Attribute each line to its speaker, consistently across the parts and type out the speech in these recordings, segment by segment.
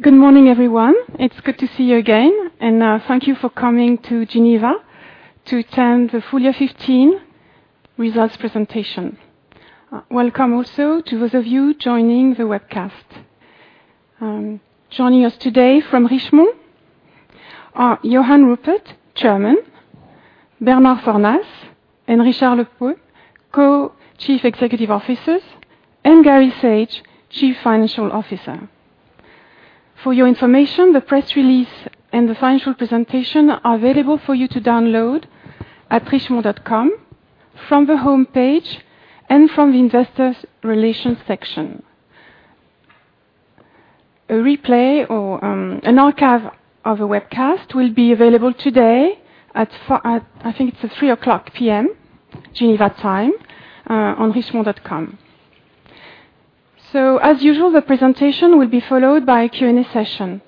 Speaker 1: Good morning, everyone. It's good to see you again, and thank you for coming to Geneva to attend the full year 2015 results presentation. Welcome also to those of you joining the webcast. Joining us today from Richemont are Johann Rupert, Chairman, Bernard Fornas and Richard Lepeu, Co-Chief Executive Officers, and Gary Saage, Chief Financial Officer. For your information, the press release and the financial presentation are available for you to download at richemont.com from the homepage and from the investor relations section. A replay or an archive of the webcast will be available today at, I think it's 3:00 P.M. Geneva time, on richemont.com. As usual, the presentation will be followed by a Q&A session.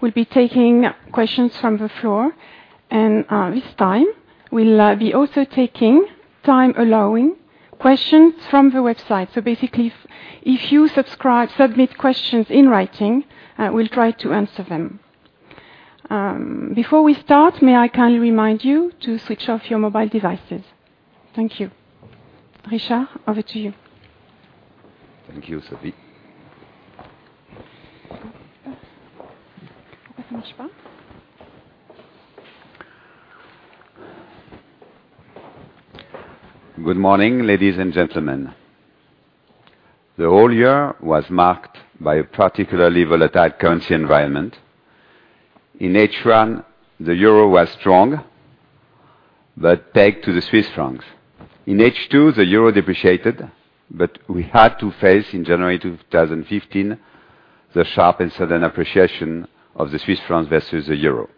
Speaker 1: We'll be taking questions from the floor and, this time we'll be also taking, time allowing, questions from the website. Basically, if you submit questions in writing, we'll try to answer them. Before we start, may I kindly remind you to switch off your mobile devices? Thank you. Richard, over to you.
Speaker 2: Thank you, Sophie. Good morning, ladies and gentlemen. The whole year was marked by a particularly volatile currency environment. In H1, the euro was strong, but pegged to the Swiss francs. In H2, the euro depreciated, but we had to face, in January 2015, the sharp and sudden appreciation of the Swiss francs versus the euro.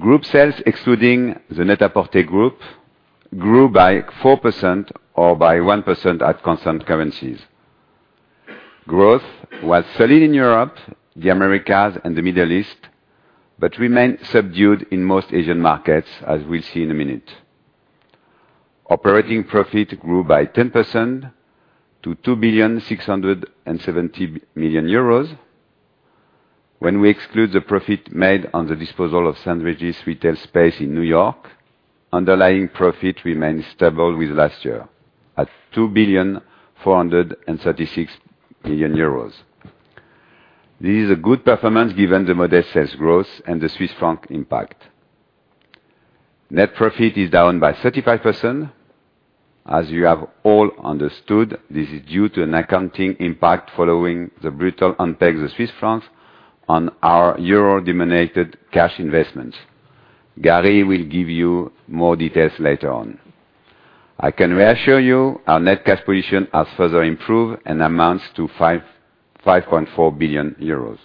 Speaker 2: Group sales, excluding the Net-a-Porter group, grew by 4% or by 1% at constant currencies. Growth was solid in Europe, the Americas, and the Middle East, but remained subdued in most Asian markets, as we'll see in a minute. Operating profit grew by 10% to 2.67 billion euros. When we exclude the profit made on the disposal of St. Regis retail space in New York, underlying profit remains stable with last year at 2.436 billion. This is a good performance given the modest sales growth and the Swiss franc impact. Net profit is down by 35%. As you have all understood, this is due to an accounting impact following the brutal unpeg the Swiss francs on our euro-denominated cash investments. Gary will give you more details later on. I can reassure you our net cash position has further improved and amounts to 5.4 billion euros.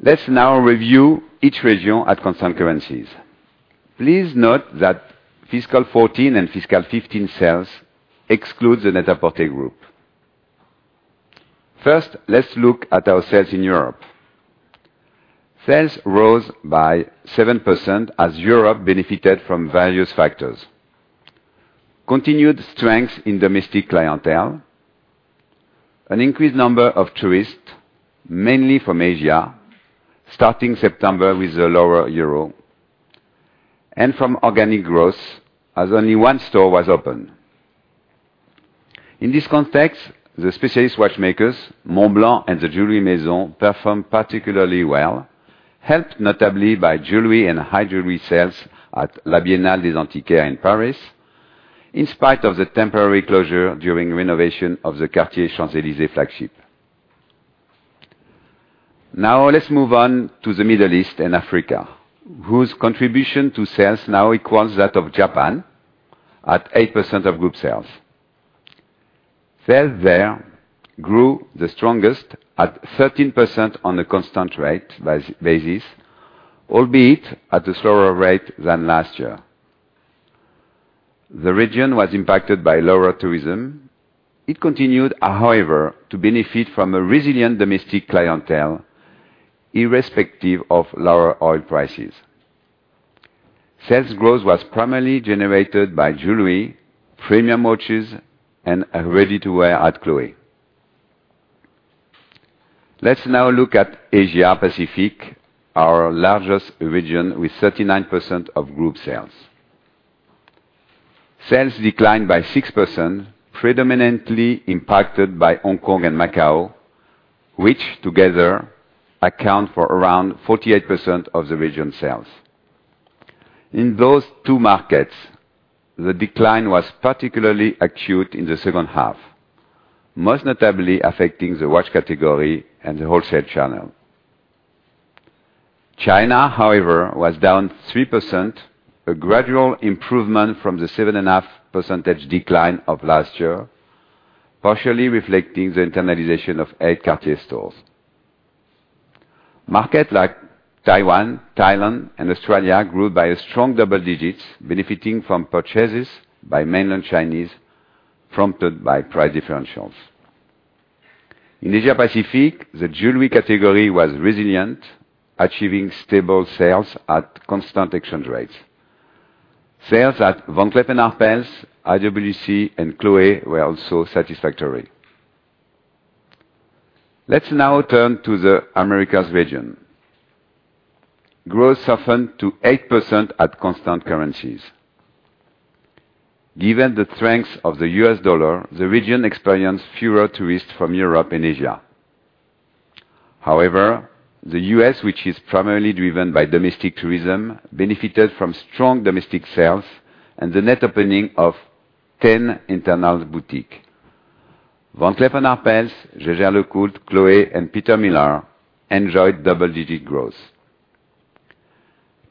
Speaker 2: Let's now review each region at constant currencies. Please note that fiscal 2014 and fiscal 2015 sales exclude the Net-a-Porter group. First, let's look at our sales in Europe. Sales rose by 7% as Europe benefited from various factors. Continued strength in domestic clientele, an increased number of tourists, mainly from Asia, starting September with the lower euro, and from organic growth as only one store was opened. In this context, the Specialist Watchmakers Montblanc and the Jewelry Maison performed particularly well, helped notably by jewelry and high jewelry sales at La Biennale des Antiquaires in Paris, in spite of the temporary closure during renovation of the Cartier Champs-Élysées flagship. Let's move on to the Middle East and Africa, whose contribution to sales now equals that of Japan at 8% of group sales. Sales there grew the strongest at 13% on a constant rate basis, albeit at a slower rate than last year. The region was impacted by lower tourism. It continued, however, to benefit from a resilient domestic clientele, irrespective of lower oil prices. Sales growth was primarily generated by jewelry, premium watches, and ready-to-wear at Chloé. Let's now look at Asia Pacific, our largest region with 39% of group sales. Sales declined by 6%, predominantly impacted by Hong Kong and Macau, which together account for around 48% of the region's sales. In those two markets, the decline was particularly acute in the second half, most notably affecting the watch category and the wholesale channel. China was down 3%, a gradual improvement from the 7.5% decline of last year, partially reflecting the internalization of eight Cartier stores. Markets like Taiwan, Thailand, and Australia grew by a strong double digits, benefiting from purchases by mainland Chinese prompted by price differentials. In Asia Pacific, the jewelry category was resilient, achieving stable sales at constant exchange rates. Sales at Van Cleef & Arpels, IWC, and Chloé were also satisfactory. Let's now turn to the Americas region. Growth softened to 8% at constant currencies. Given the strength of the U.S. dollar, the region experienced fewer tourists from Europe and Asia. The U.S., which is primarily driven by domestic tourism, benefited from strong domestic sales and the net opening of 10 internal boutiques. Van Cleef & Arpels, Jaeger-LeCoultre, Chloé, and Peter Millar enjoyed double-digit growth.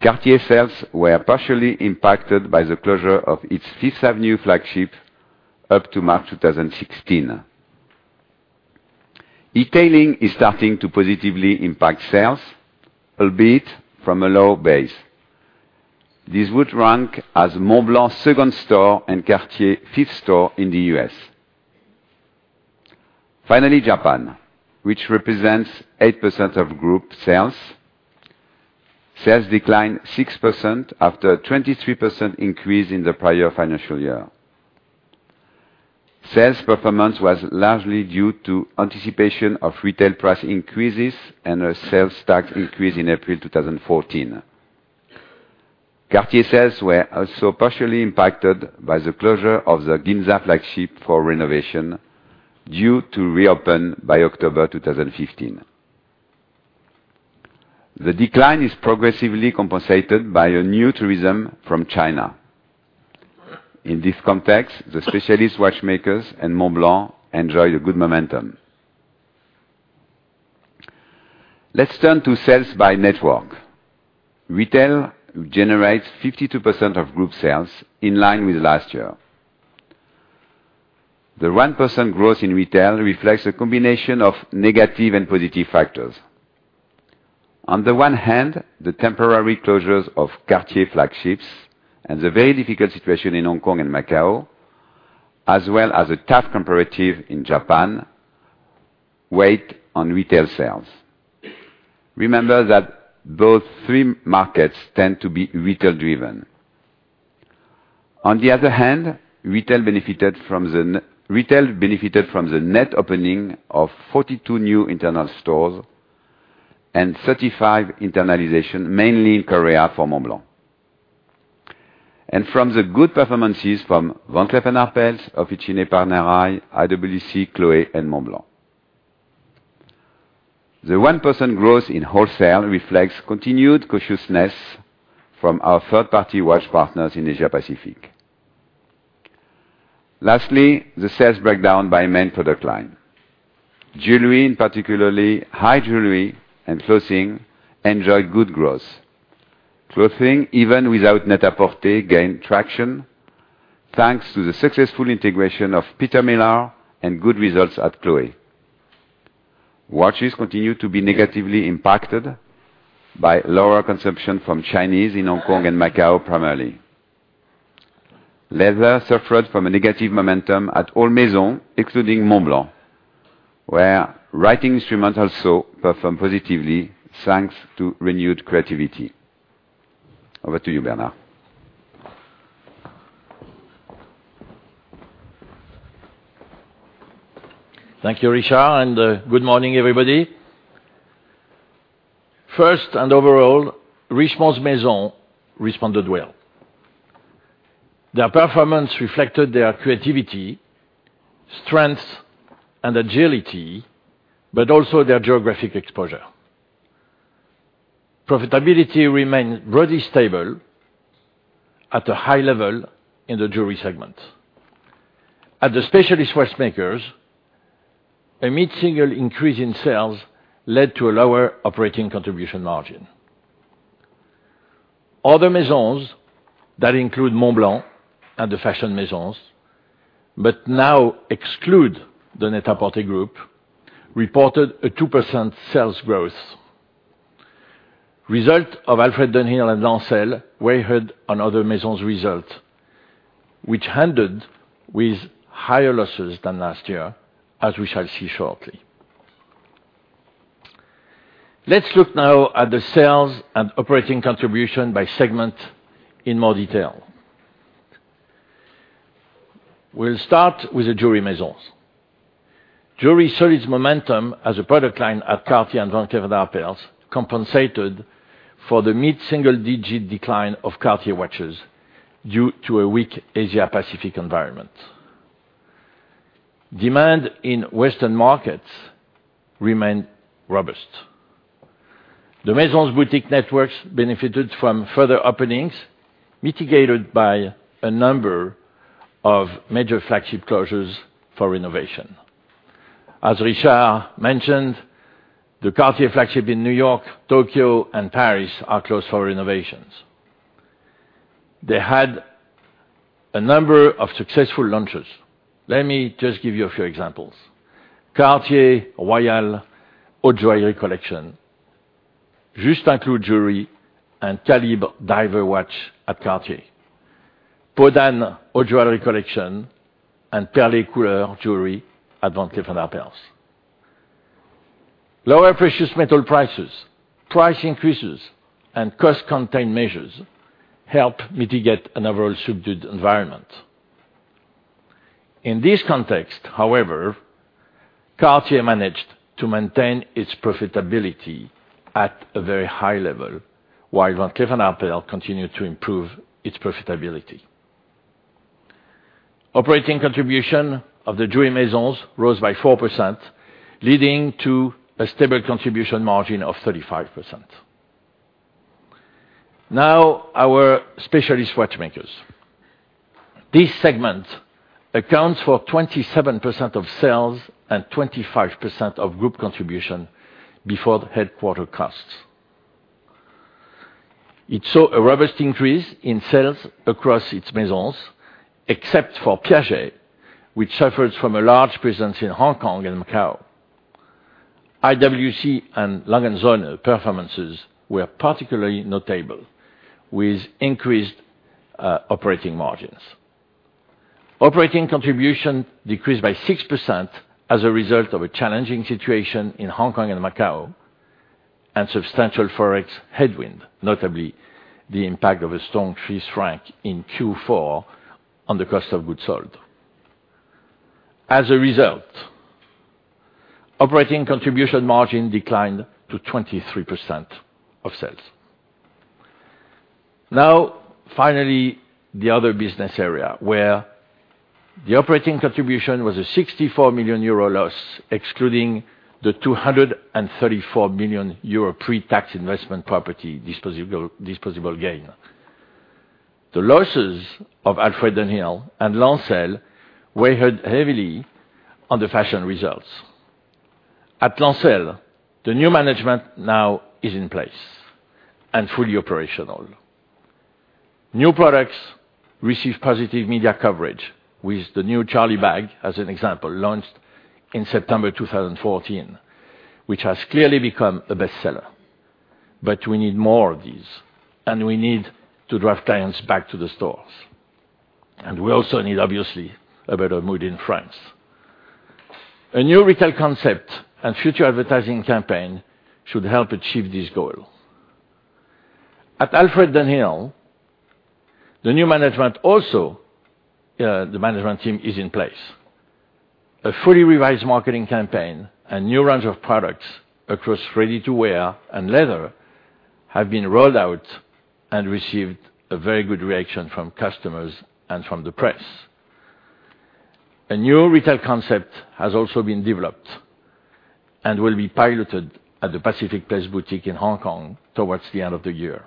Speaker 2: Cartier sales were partially impacted by the closure of its Fifth Avenue flagship up to March 2016. E-tailing is starting to positively impact sales, albeit from a low base. This would rank as Montblanc's second store and Cartier's fifth store in the U.S. Japan, which represents 8% of group sales. Sales declined 6% after a 23% increase in the prior financial year. Sales performance was largely due to anticipation of retail price increases and a sales tax increase in April 2014. Cartier sales were also partially impacted by the closure of the Ginza flagship for renovation, due to reopen by October 2015. The decline is progressively compensated by a new tourism from China. In this context, the Specialist Watchmakers and Montblanc enjoyed a good momentum. Let's turn to sales by network. Retail generates 52% of group sales, in line with last year. The 1% growth in retail reflects a combination of negative and positive factors. The temporary closures of Cartier flagships and the very difficult situation in Hong Kong and Macau, as well as a tough comparative in Japan, weighed on retail sales. Remember that those three markets tend to be retail-driven. Retail benefited from the net opening of 42 new internal stores and 35 internalizations, mainly in Korea for Montblanc. From the good performances from Van Cleef & Arpels, Officine Panerai, IWC, Chloé, and Montblanc. The 1% growth in wholesale reflects continued cautiousness from our third-party watch partners in Asia Pacific. The sales breakdown by main product line. Jewelry, and particularly high jewelry and clothing, enjoyed good growth. Clothing, even without Net-a-Porter, gained traction thanks to the successful integration of Peter Millar and good results at Chloé. Watches continue to be negatively impacted by lower consumption from Chinese in Hong Kong and Macau, primarily. Leather suffered from a negative momentum at all Maisons, excluding Montblanc, where writing instruments also performed positively thanks to renewed creativity. Over to you, Bernard.
Speaker 3: Thank you, Richard. Good morning, everybody. First, overall, Richemont's Maisons responded well. Their performance reflected their creativity, strength, and agility, but also their geographic exposure. Profitability remained broadly stable at a high level in the jewelry segment. At the Specialist Watchmakers, a mid-single increase in sales led to a lower operating contribution margin. Other Maisons, that include Montblanc and the fashion Maisons, but now exclude the Net-a-Porter Group, reported a 2% sales growth. Results of Alfred Dunhill and Lancel weighed on Other Maisons results, which ended with higher losses than last year, as we shall see shortly. Let's look now at the sales and operating contribution by segment in more detail. We'll start with the jewelry Maisons. Jewelry solid momentum as a product line at Cartier and Van Cleef & Arpels compensated for the mid-single-digit decline of Cartier watches due to a weak Asia Pacific environment. Demand in Western markets remained robust. The Maisons boutique networks benefited from further openings, mitigated by a number of major flagship closures for renovation. As Richard mentioned, the Cartier flagship in New York, Tokyo, and Paris are closed for renovations. They had a number of successful launches. Let me just give you a few examples. Cartier Royale High Jewelry Collection, Juste un Clou jewelry, and Calibre diver watch at Cartier. Peau d'Âne jewelry collection and Perlée couleurs jewelry at Van Cleef & Arpels. Lower precious metal prices, price increases, and cost-contain measures help mitigate an overall subdued environment. In this context, however, Cartier managed to maintain its profitability at a very high level, while Van Cleef & Arpels continued to improve its profitability. Operating contribution of the jewelry Maisons rose by 4%, leading to a stable contribution margin of 35%. Now, our specialist watchmakers. This segment accounts for 27% of sales and 25% of group contribution before the head quarter costs. It saw a robust increase in sales across its Maisons, except for Piaget, which suffers from a large presence in Hong Kong and Macau. IWC and Lange & Söhne performances were particularly notable with increased operating margins. Operating contribution decreased by 6% as a result of a challenging situation in Hong Kong and Macau, and substantial ForEx headwind, notably the impact of a strong Swiss franc in Q4 on the cost of goods sold. As a result, operating contribution margin declined to 23% of sales. Now, finally, the other business area, where the operating contribution was a €64 million loss, excluding the €234 million pre-tax investment property disposal gain. The losses of Alfred Dunhill and Lancel weighed heavily on the fashion results. At Lancel, the new management now is in place and fully operational. New products receive positive media coverage with the new Charlie bag, as an example, launched in September 2014, which has clearly become a bestseller. We need more of these, and we need to drive clients back to the stores. We also need, obviously, a better mood in France. A new retail concept and future advertising campaign should help achieve this goal. At Alfred Dunhill, the new management team is in place. A fully revised marketing campaign and new range of products across ready-to-wear and leather have been rolled out and received a very good reaction from customers and from the press. A new retail concept has also been developed and will be piloted at the Pacific Place boutique in Hong Kong towards the end of the year.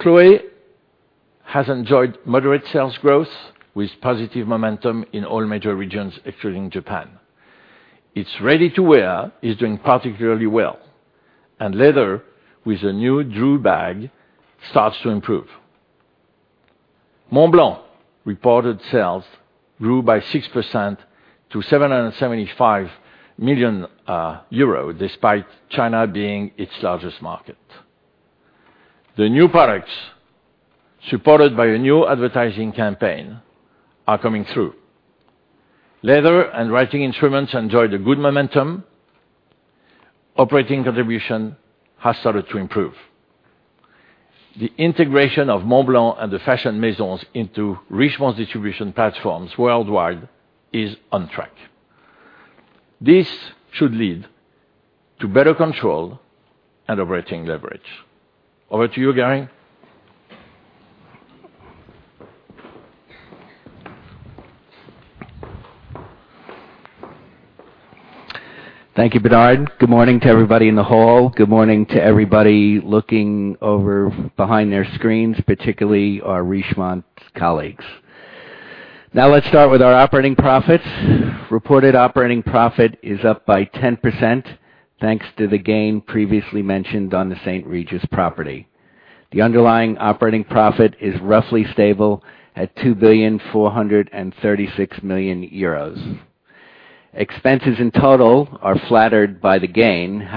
Speaker 3: Chloé has enjoyed moderate sales growth with positive momentum in all major regions, excluding Japan. Its ready-to-wear is doing particularly well, and leather, with the new Drew bag, starts to improve. Montblanc reported sales grew by 6% to 775 million euro, despite China being its largest market. The new products, supported by a new advertising campaign, are coming through. Leather and writing instruments enjoyed a good momentum. Operating contribution has started to improve. The integration of Montblanc and the fashion maisons into Richemont distribution platforms worldwide is on track. This should lead to better control and operating leverage. Over to you, Gary.
Speaker 4: Thank you, Bernard. Good morning to everybody in the hall. Good morning to everybody looking over behind their screens, particularly our Richemont colleagues. Let's start with our operating profits. Reported operating profit is up by 10%, thanks to the gain previously mentioned on the St. Regis property. The underlying operating profit is roughly stable at 2.436 billion euros. Expenses in total are flattered by the gain.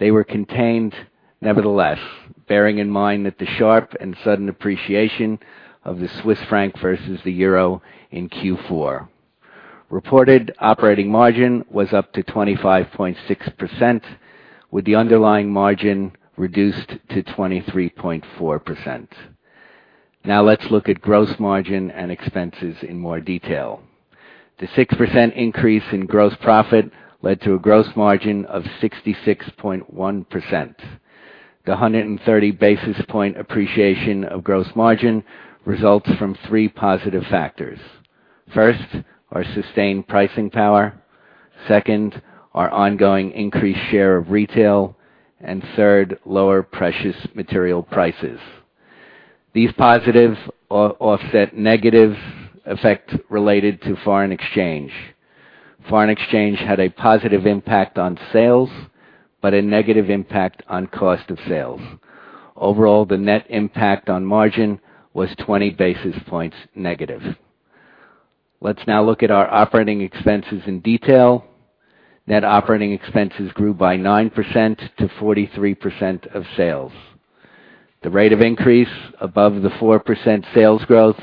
Speaker 4: They were contained nevertheless, bearing in mind that the sharp and sudden appreciation of the Swiss franc versus the euro in Q4. Reported operating margin was up to 25.6%, with the underlying margin reduced to 23.4%. Let's look at gross margin and expenses in more detail. The 6% increase in gross profit led to a gross margin of 66.1%. The 130 basis point appreciation of gross margin results from three positive factors. First, our sustained pricing power, second, our ongoing increased share of retail, and third, lower precious material prices. These positives offset negative effect related to foreign exchange. Foreign exchange had a positive impact on sales, but a negative impact on cost of sales. Overall, the net impact on margin was 20 basis points negative. Let's now look at our operating expenses in detail. Net operating expenses grew by 9% to 43% of sales. The rate of increase above the 4% sales growth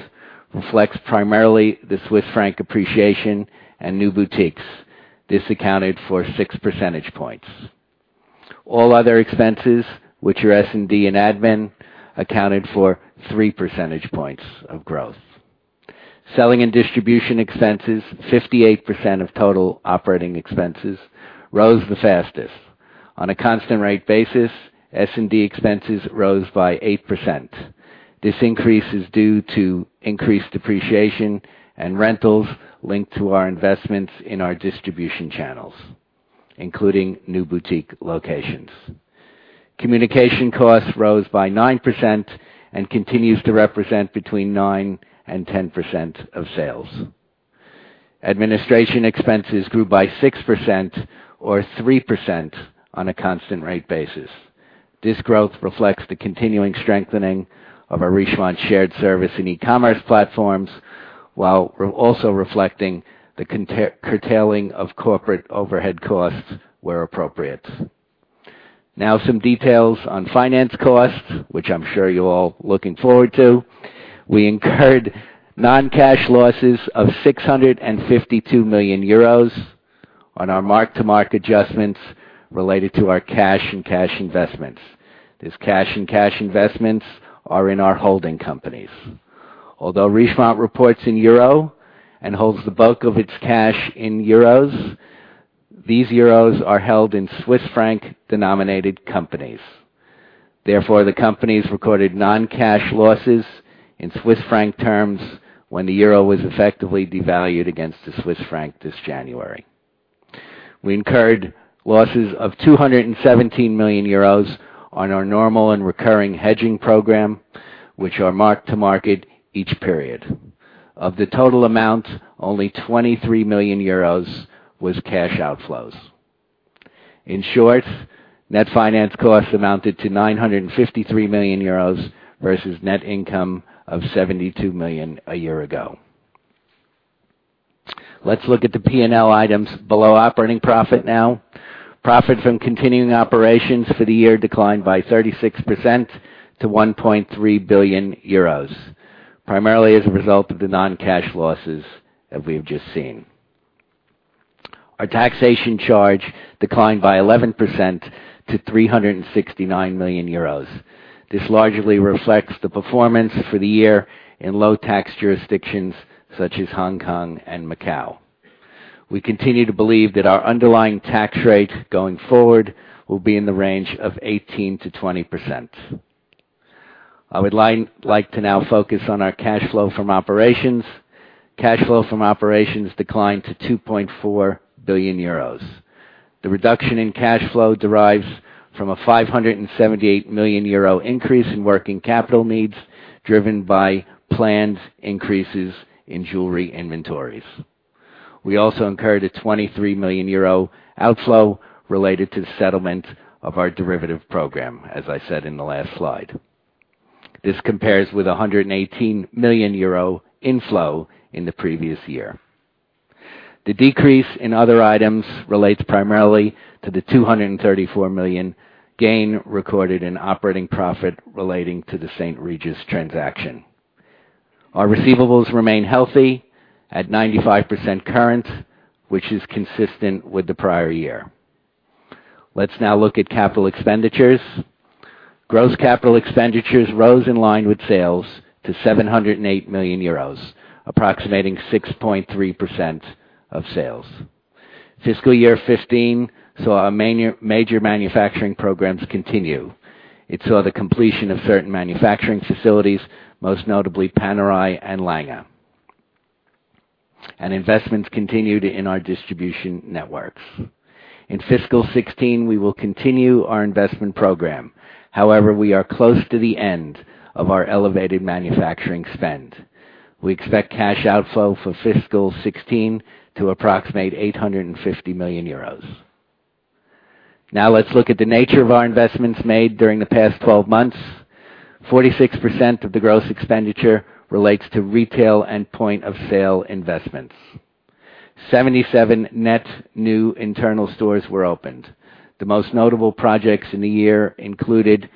Speaker 4: reflects primarily the Swiss franc appreciation and new boutiques. This accounted for six percentage points. All other expenses, which are S&D and admin, accounted for three percentage points of growth. Selling and distribution expenses, 58% of total operating expenses, rose the fastest. On a constant rate basis, S&D expenses rose by 8%. This increase is due to increased depreciation and rentals linked to our investments in our distribution channels, including new boutique locations. Communication costs rose by 9% and continues to represent between 9% and 10% of sales. Administration expenses grew by 6% or 3% on a constant rate basis. This growth reflects the continuing strengthening of our Richemont shared service in e-commerce platforms, while also reflecting the curtailing of corporate overhead costs where appropriate. Some details on finance costs, which I'm sure you're all looking forward to. We incurred non-cash losses of 652 million euros on our mark-to-market adjustments related to our cash and cash investments. These cash and cash investments are in our holding companies. Although Richemont reports in euro and holds the bulk of its cash in euros, these euros are held in Swiss franc-denominated companies. Therefore, the companies recorded non-cash losses in Swiss franc terms when the euro was effectively devalued against the Swiss franc this January. We incurred losses of 217 million euros on our normal and recurring hedging program, which are mark-to-market each period. Of the total amount, only 23 million euros was cash outflows. Net finance costs amounted to 953 million euros versus net income of 72 million a year ago. Let's look at the P&L items below operating profit now. Profit from continuing operations for the year declined by 36% to 1.3 billion euros, primarily as a result of the non-cash losses that we have just seen. Our taxation charge declined by 11% to 369 million euros. This largely reflects the performance for the year in low-tax jurisdictions such as Hong Kong and Macau. We continue to believe that our underlying tax rate going forward will be in the range of 18%-20%. I would like to now focus on our cash flow from operations. Cash flow from operations declined to 2.4 billion euros. The reduction in cash flow derives from a 578 million euro increase in working capital needs, driven by planned increases in jewelry inventories. We also incurred a 23 million euro outflow related to the settlement of our derivative program, as I said in the last slide. This compares with a 118 million euro inflow in the previous year. The decrease in other items relates primarily to the 234 million gain recorded in operating profit relating to the St. Regis transaction. Our receivables remain healthy at 95% current, which is consistent with the prior year. Let's now look at capital expenditures. Gross capital expenditures rose in line with sales to 708 million euros, approximating 6.3% of sales. Fiscal year 2015 saw our major manufacturing programs continue. It saw the completion of certain manufacturing facilities, most notably Panerai and Lange. Investments continued in our distribution networks. In fiscal 2016, we will continue our investment program. We are close to the end of our elevated manufacturing spend. We expect cash outflow for fiscal 2016 to approximate 850 million euros. Let's look at the nature of our investments made during the past 12 months. 46% of the gross expenditure relates to retail and point-of-sale investments. 77 net new internal stores were opened. The most notable projects in the year included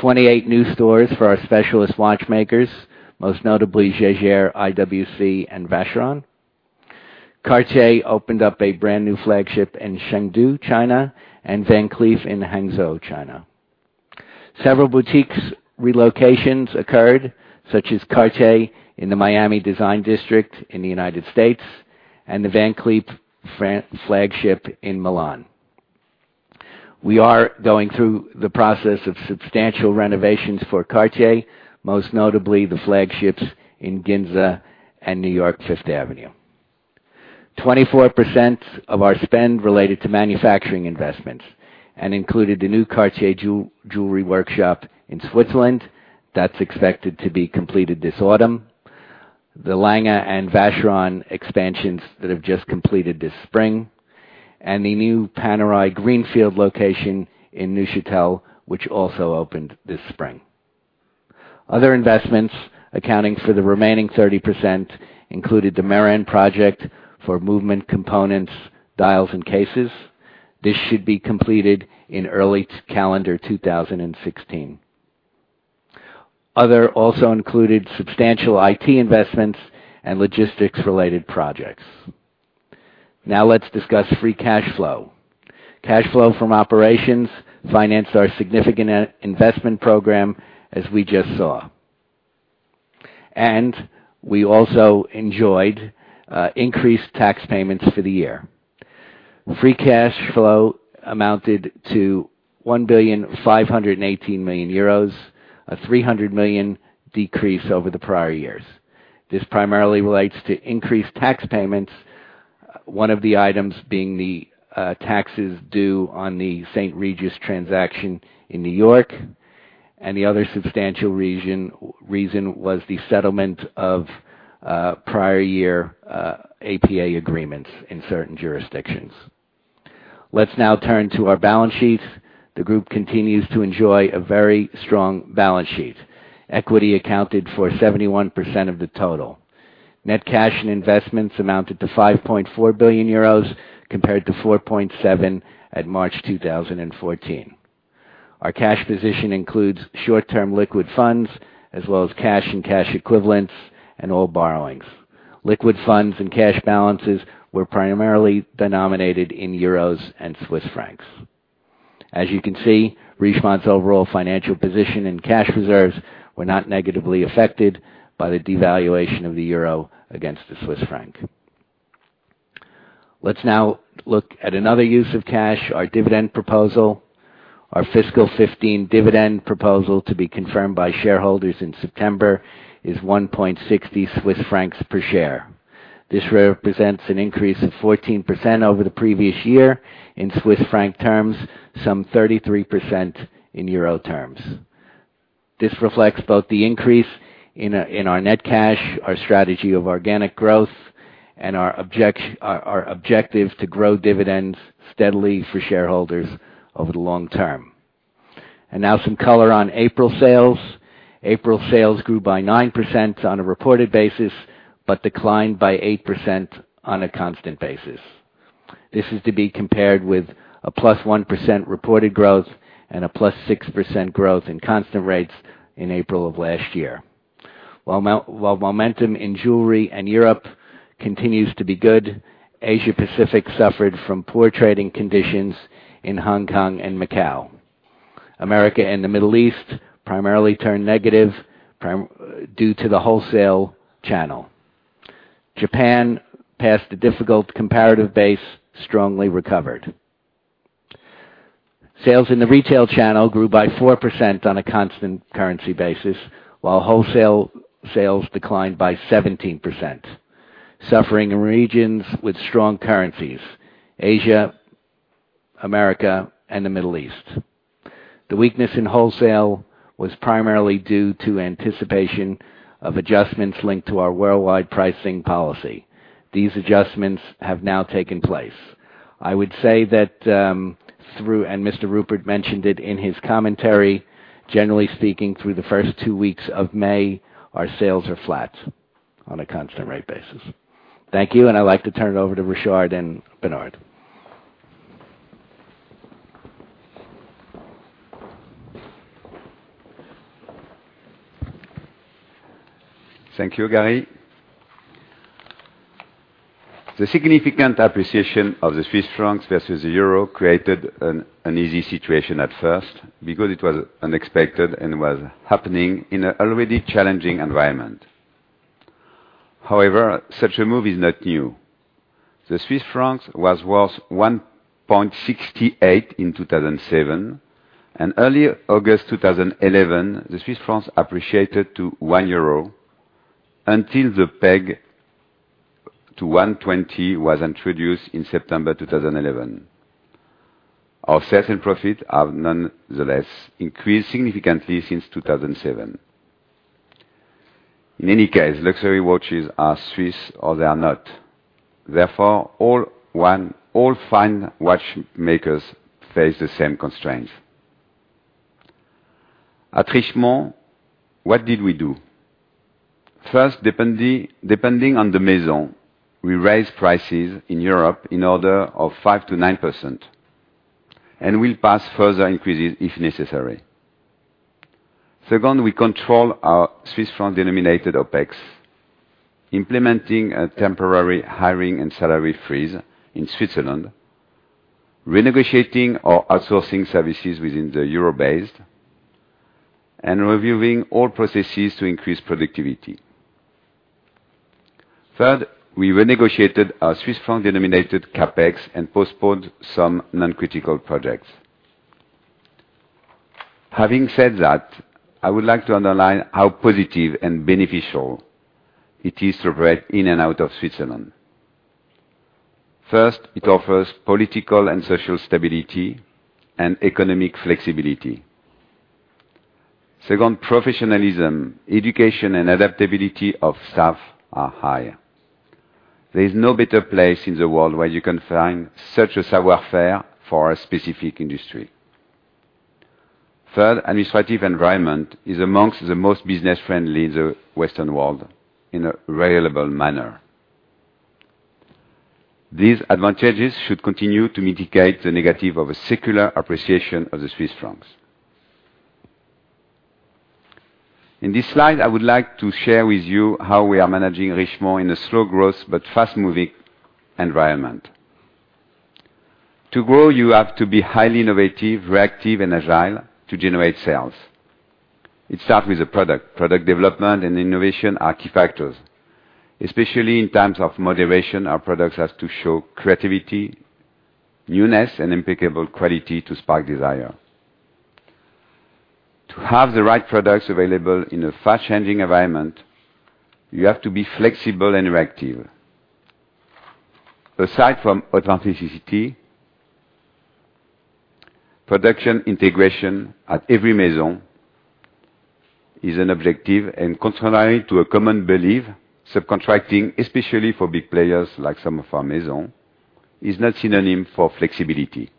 Speaker 4: 28 new stores for our specialist watchmakers, most notably Jaeger, IWC, and Vacheron. Cartier opened up a brand-new flagship in Chengdu, China, and Van Cleef in Hangzhou, China. Several boutiques relocations occurred, such as Cartier in the Miami Design District in the United States and the Van Cleef flagship in Milan. We are going through the process of substantial renovations for Cartier, most notably the flagships in Ginza and New York, Fifth Avenue. 24% of our spend related to manufacturing investments and included a new Cartier jewelry workshop in Switzerland that's expected to be completed this autumn, the Lange and Vacheron expansions that have just completed this spring, and the new Panerai greenfield location in Neuchâtel, which also opened this spring. Other investments accounting for the remaining 30% included the Maren project for movement components, dials, and cases. This should be completed in early calendar 2016. Also included substantial IT investments and logistics-related projects. Let's discuss free cash flow. Cash flow from operations financed our significant investment program, as we just saw. We also enjoyed increased tax payments for the year. Free cash flow amounted to 1,518,000,000 euros, a 300 million decrease over the prior years. This primarily relates to increased tax payments, one of the items being the taxes due on the St. Regis transaction in New York, and the other substantial reason was the settlement of prior year APA agreements in certain jurisdictions. Let's now turn to our balance sheet. The group continues to enjoy a very strong balance sheet. Equity accounted for 71% of the total. Net cash and investments amounted to 5.4 billion euros compared to 4.7 billion at March 2014. Our cash position includes short-term liquid funds as well as cash and cash equivalents and all borrowings. Liquid funds and cash balances were primarily denominated in euros and Swiss francs. As you can see, Richemont's overall financial position and cash reserves were not negatively affected by the devaluation of the euro against the Swiss franc. Let's now look at another use of cash, our dividend proposal. Our fiscal 2015 dividend proposal to be confirmed by shareholders in September is 1.60 Swiss francs per share. This represents an increase of 14% over the previous year, in Swiss franc terms, some 33% in euro terms. This reflects both the increase in our net cash, our strategy of organic growth, and our objective to grow dividends steadily for shareholders over the long term. Now some color on April sales. April sales grew by 9% on a reported basis, but declined by 8% on a constant basis. This is to be compared with a +1% reported growth and a +6% growth in constant rates in April of last year. While momentum in jewelry and Europe continues to be good, Asia-Pacific suffered from poor trading conditions in Hong Kong and Macau. America and the Middle East primarily turned negative due to the wholesale channel. Japan passed a difficult comparative base, strongly recovered. Sales in the retail channel grew by 4% on a constant currency basis, while wholesale sales declined by 17%, suffering in regions with strong currencies, Asia, America, and the Middle East. The weakness in wholesale was primarily due to anticipation of adjustments linked to our worldwide pricing policy. These adjustments have now taken place. I would say that through, Mr. Rupert mentioned it in his commentary, generally speaking, through the first two weeks of May, our sales are flat on a constant rate basis. Thank you, and I'd like to turn it over to Richard and Bernard.
Speaker 2: Thank you, Gary. The significant appreciation of the Swiss francs versus the euro created an uneasy situation at first because it was unexpected and was happening in an already challenging environment. Such a move is not new. The Swiss franc was worth 1.68 in 2007, and early August 2011, the Swiss franc appreciated to 1 euro until the peg to 1.20 was introduced in September 2011. Our sales and profit have nonetheless increased significantly since 2007. In any case, luxury watches are Swiss, or they are not. All fine watchmakers face the same constraints. At Richemont, what did we do? First, depending on the Maison, we raised prices in Europe in order of 5%-9%, and we'll pass further increases if necessary. Second, we control our Swiss franc-denominated OpEx, implementing a temporary hiring and salary freeze in Switzerland, renegotiating our outsourcing services within the Euro base, and reviewing all processes to increase productivity. Third, we renegotiated our Swiss franc-denominated CapEx and postponed some non-critical projects. Having said that, I would like to underline how positive and beneficial it is to operate in and out of Switzerland. First, it offers political and social stability and economic flexibility. Second, professionalism, education, and adaptability of staff are high. There is no better place in the world where you can find such a savoir-faire for a specific industry. Third, administrative environment is amongst the most business-friendly in the Western world in a reliable manner. These advantages should continue to mitigate the negative of a secular appreciation of the Swiss francs. In this slide, I would like to share with you how we are managing Richemont in a slow-growth but fast-moving environment. To grow, you have to be highly innovative, reactive, and agile to generate sales. It starts with the product. Product development and innovation are key factors, especially in times of moderation, our products have to show creativity, newness, and impeccable quality to spark desire. To have the right products available in a fast-changing environment, you have to be flexible and reactive. Aside from authenticity, production integration at every Maison is an objective and contrary to a common belief, subcontracting, especially for big players like some of our Maison, is not synonym for flexibility.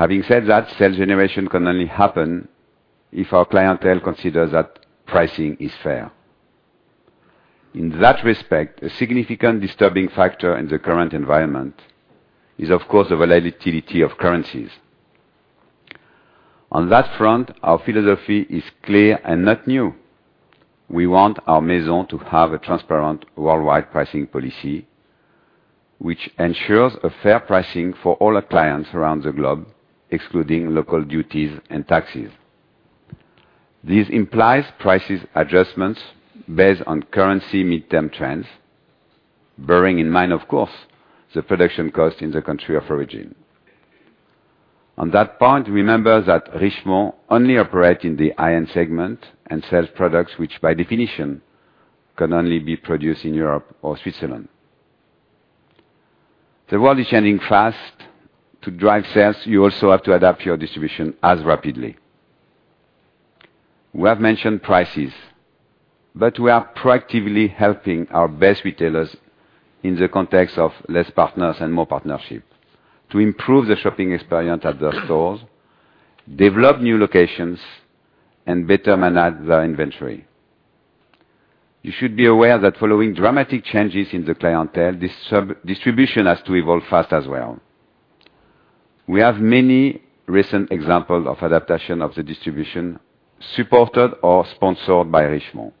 Speaker 2: Having said that, sales generation can only happen if our clientele considers that pricing is fair. In that respect, a significant disturbing factor in the current environment is, of course, the volatility of currencies. On that front, our philosophy is clear and not new. We want our Maison to have a transparent worldwide pricing policy, which ensures a fair pricing for all our clients around the globe, excluding local duties and taxes. This implies prices adjustments based on currency midterm trends, bearing in mind, of course, the production cost in the country of origin. On that point, remember that Richemont only operates in the high-end segment and sells products, which by definition, can only be produced in Europe or Switzerland. The world is changing fast. To drive sales, you also have to adapt your distribution as rapidly. We have mentioned prices, we are proactively helping our best retailers in the context of less partners and more partnership to improve the shopping experience at their stores, develop new locations, and better manage their inventory. You should be aware that following dramatic changes in the clientele, distribution has to evolve fast as well. We have many recent examples of adaptation of the distribution supported or sponsored by Richemont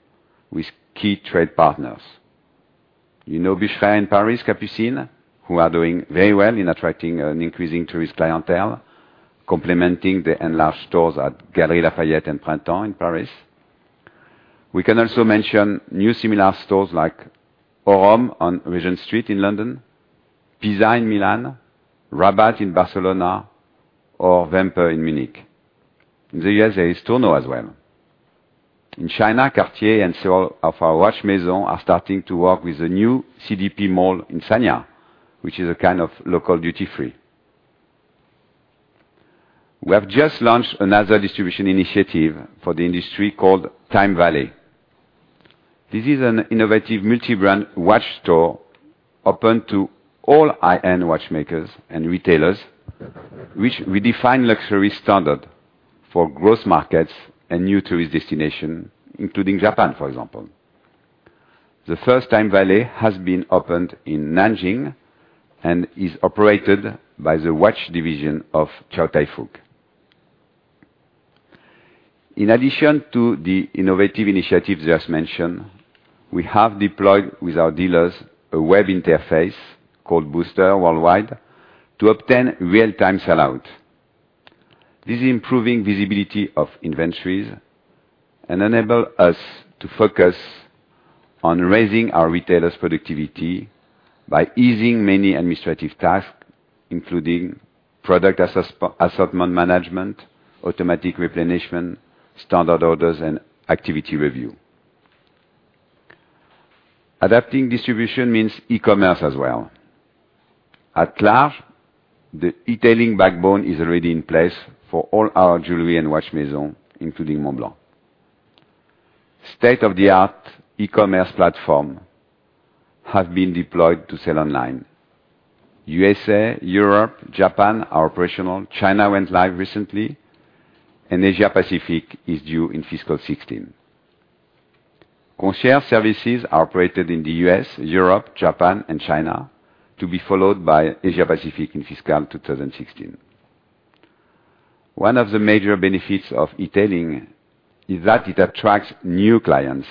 Speaker 2: with key trade partners. You know Bucherer in Paris, Capucines, who are doing very well in attracting an increasing tourist clientele, complementing the enlarged stores at Galeries Lafayette and Printemps in Paris. We can also mention new similar stores like Orome on Regent Street in London, Pisa in Milan, Rabat in Barcelona, or Wempe in Munich. In the U.S., there is Tourneau as well. In China, Cartier and several of our watch Maison are starting to work with the new CDF mall in Sanya, which is a kind of local duty-free. We have just launched another distribution initiative for the industry called TimeValley. This is an innovative multi-brand watch store open to all high-end watchmakers and retailers, which redefine luxury standard for growth markets and new tourist destinations, including Japan, for example. The first TimeValley has been opened in Nanjing and is operated by the watch division of Chow Tai Fook. In addition to the innovative initiatives just mentioned, we have deployed with our dealers a web interface called Booster worldwide to obtain real-time sellout. This is improving visibility of inventories and enable us to focus on raising our retailers' productivity by easing many administrative tasks, including product assortment management, automatic replenishment, standard orders, and activity review. Adapting distribution means e-commerce as well. At large, the e-tailing backbone is already in place for all our jewelry and watch Maison, including Montblanc. State-of-the-art e-commerce platform have been deployed to sell online. U.S., Europe, Japan are operational. China went live recently, Asia-Pacific is due in fiscal 2016. Concierge services are operated in the U.S., Europe, Japan, and China, to be followed by Asia-Pacific in fiscal 2016. One of the major benefits of e-tailing is that it attracts new clients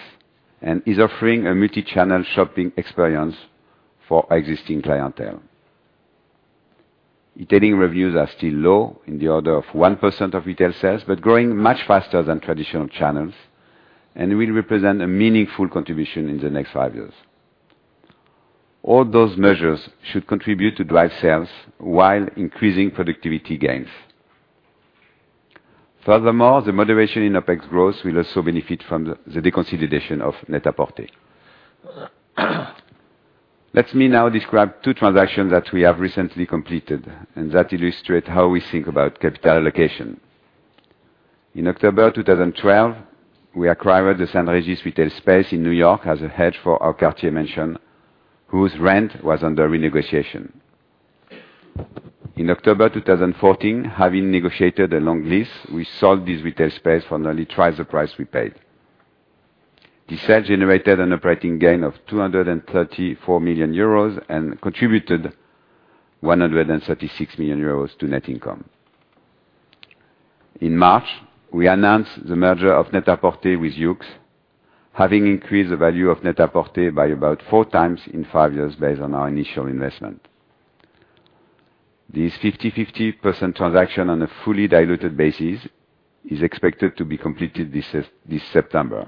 Speaker 2: and is offering a multi-channel shopping experience for existing clientele. E-tailing reviews are still low, in the order of 1% of retail sales, but growing much faster than traditional channels and will represent a meaningful contribution in the next five years. All those measures should contribute to drive sales while increasing productivity gains. Furthermore, the moderation in OpEx growth will also benefit from the deconsolidation of Net-a-Porter. Let me now describe two transactions that we have recently completed and that illustrate how we think about capital allocation. In October 2012, we acquired the St. Regis retail space in N.Y. as a hedge for our Cartier mansion, whose rent was under renegotiation. In October 2014, having negotiated a long lease, we sold this retail space for nearly twice the price we paid. The sale generated an operating gain of 234 million euros and contributed 136 million euros to net income. In March, we announced the merger of Net-a-Porter with YOOX, having increased the value of Net-a-Porter by about four times in five years based on our initial investment. This 50/50 transaction on a fully diluted basis is expected to be completed this September.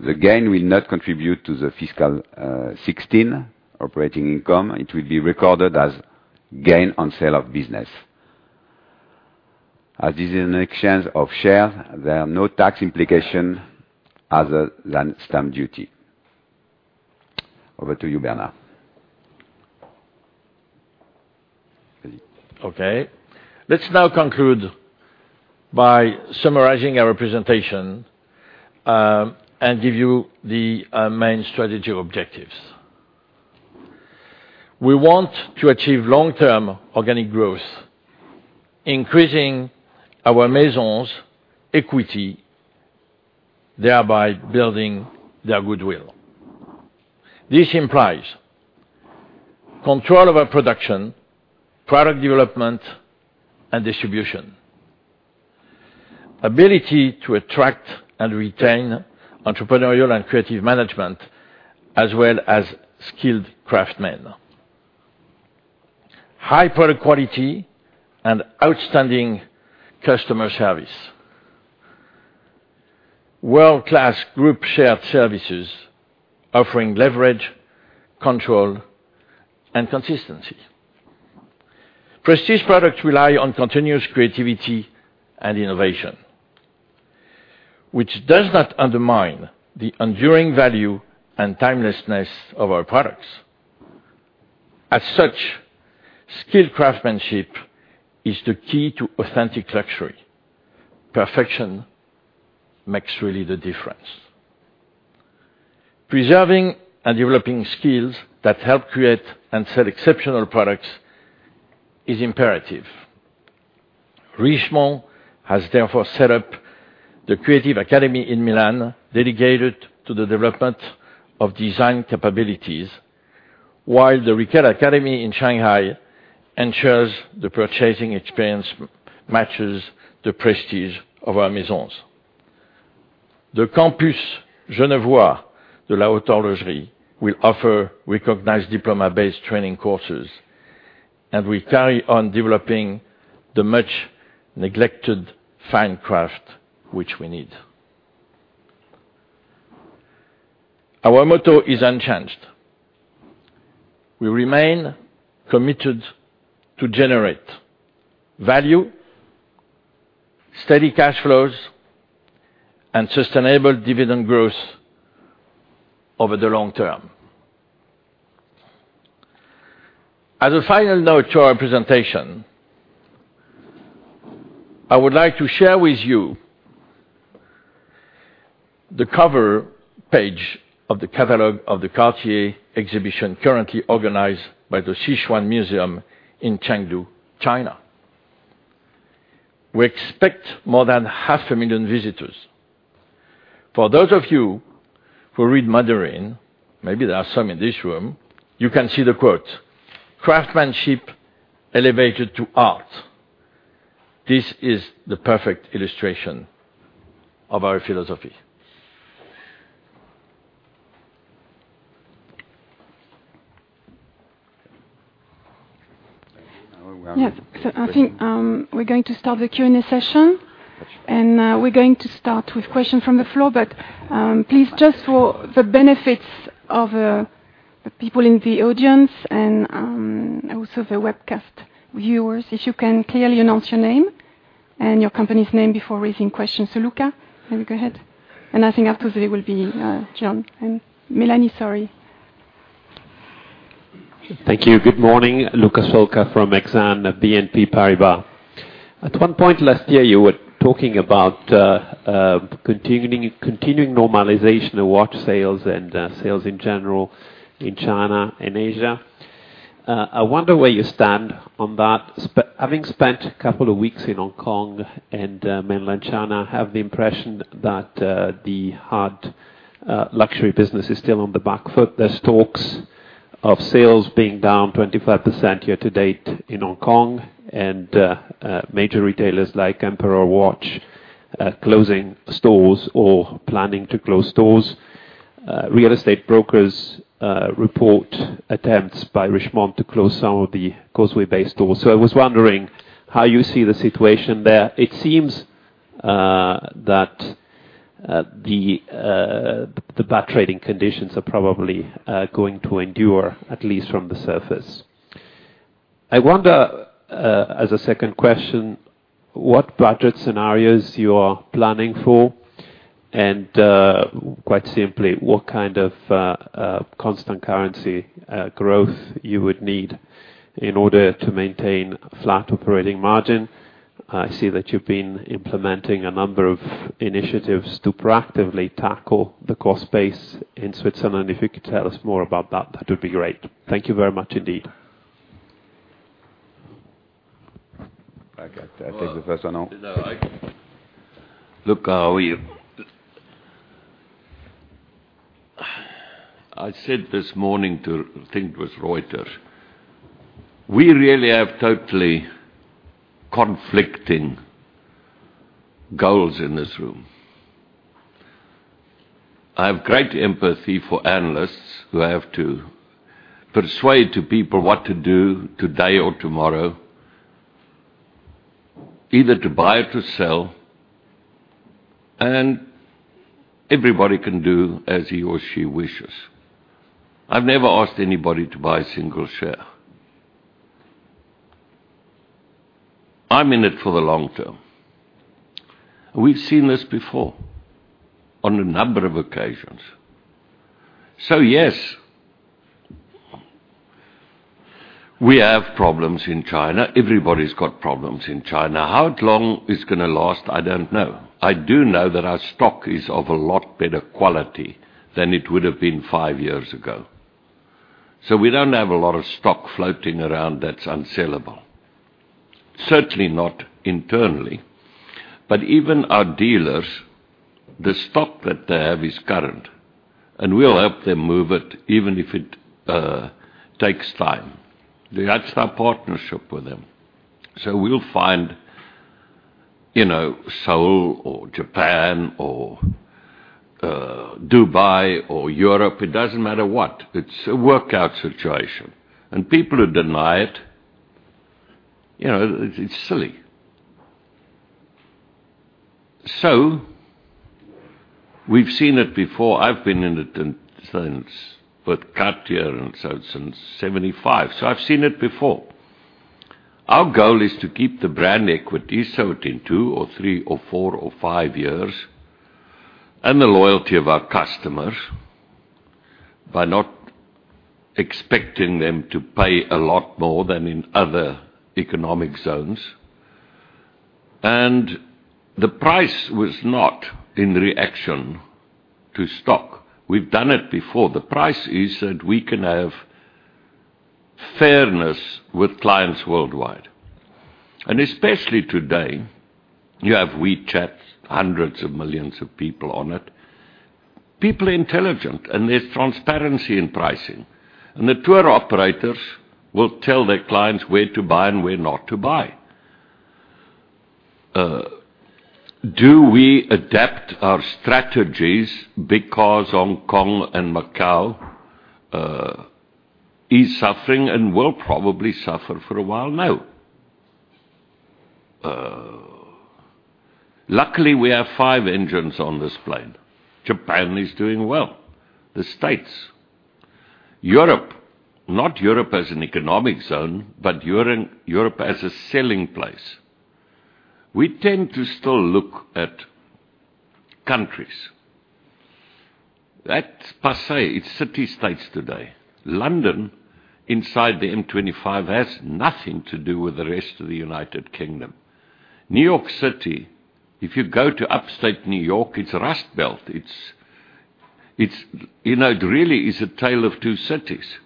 Speaker 2: The gain will not contribute to the fiscal 2016 operating income. It will be recorded as gain on sale of business. As this is an exchange of share, there are no tax implications other than stamp duty. Over to you, Bernard.
Speaker 3: Let's now conclude by summarizing our presentation and give you the main strategy objectives. We want to achieve long-term organic growth, increasing our maisons' equity, thereby building their goodwill. This implies control over production, product development, and distribution. Ability to attract and retain entrepreneurial and creative management, as well as skilled craftsmen. High product quality and outstanding customer service. World-class group shared services offering leverage, control, and consistency. Prestige products rely on continuous creativity and innovation, which does not undermine the enduring value and timelessness of our products. As such, skilled craftsmanship is the key to authentic luxury. Perfection makes really the difference. Preserving and developing skills that help create and sell exceptional products is imperative. Richemont has therefore set up the Creative Academy in Milan dedicated to the development of design capabilities, while the Retail Academy in Shanghai ensures the purchasing experience matches the prestige of our maisons. The Campus Genevois de l'Horlogerie will offer recognized diploma-based training courses. We carry on developing the much-neglected fine craft which we need. Our motto is unchanged. We remain committed to generate value, steady cash flows, and sustainable dividend growth over the long term. As a final note to our presentation, I would like to share with you the cover page of the catalog of the Cartier exhibition currently organized by the Sichuan Museum in Chengdu, China. We expect more than half a million visitors. For those of you who read Mandarin, maybe there are some in this room, you can see the quote, "Craftsmanship elevated to art." This is the perfect illustration of our philosophy.
Speaker 1: I think we're going to start the Q&A session. We're going to start with question from the floor. Please, just for the benefits of the people in the audience and also the webcast viewers, if you can clearly announce your name and your company's name before raising questions. Luka, you may go ahead, and I think after there will be John and Melanie, sorry.
Speaker 5: Thank you. Good morning. Luca Solca from Exane BNP Paribas. At one point last year, you were talking about continuing normalization of watch sales and sales in general in China and Asia. I wonder where you stand on that. Having spent a couple of weeks in Hong Kong and mainland China, I have the impression that the hard luxury business is still on the back foot. There's talks of sales being down 25% year to date in Hong Kong, and major retailers like Emperor Watch closing stores or planning to close stores. Real estate brokers report attempts by Richemont to close some of the Causeway Bay stores. I was wondering how you see the situation there. It seems that the bad trading conditions are probably going to endure, at least from the surface. I wonder, as a second question, what budget scenarios you are planning for. Quite simply, what kind of constant currency growth you would need in order to maintain flat operating margin? I see that you've been implementing a number of initiatives to proactively tackle the cost base in Switzerland. If you could tell us more about that would be great. Thank you very much indeed.
Speaker 2: I take the first one on.
Speaker 6: Look, I said this morning, I think it was Reuters. We really have totally conflicting goals in this room. I have great empathy for analysts who have to persuade people what to do today or tomorrow, either to buy or to sell, and everybody can do as he or she wishes. I've never asked anybody to buy a single share. I'm in it for the long term. We've seen this before on a number of occasions. Yes, we have problems in China. Everybody's got problems in China. How long it's going to last, I don't know. I do know that our stock is of a lot better quality than it would've been five years ago. We don't have a lot of stock floating around that's unsellable. Certainly not internally. Even our dealers, the stock that they have is current, we'll help them move it even if it takes time. That's our partnership with them. We'll find Seoul or Japan or Dubai or Europe. It doesn't matter what. It's a workout situation. People who deny it's silly. We've seen it before. I've been in it since with Cartier since 1975. I've seen it before. Our goal is to keep the brand equity so that in two or three or four or five years, and the loyalty of our customers, by not expecting them to pay a lot more than in other economic zones. The price was not in reaction to stock. We've done it before. The price is that we can have fairness with clients worldwide. Especially today, you have WeChat, hundreds of millions of people on it. People are intelligent, there's transparency in pricing. The tour operators will tell their clients where to buy and where not to buy. Do we adapt our strategies because Hong Kong and Macau is suffering and will probably suffer for a while now? Luckily, we have five engines on this plane. Japan is doing well. The States. Europe, not Europe as an economic zone, but Europe as a selling place. We tend to still look at countries. That's per se, it's city-states today. London, inside the M25, has nothing to do with the rest of the United Kingdom. New York City, if you go to upstate New York, it's rust belt. It really is a tale of two cities.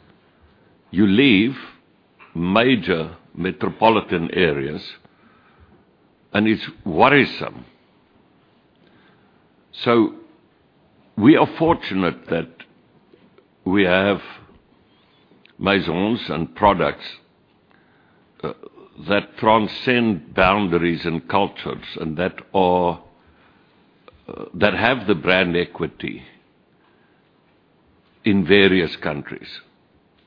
Speaker 6: You leave major metropolitan areas, it's worrisome. We are fortunate that we have Maisons and products that transcend boundaries and cultures, that have the brand equity in various countries.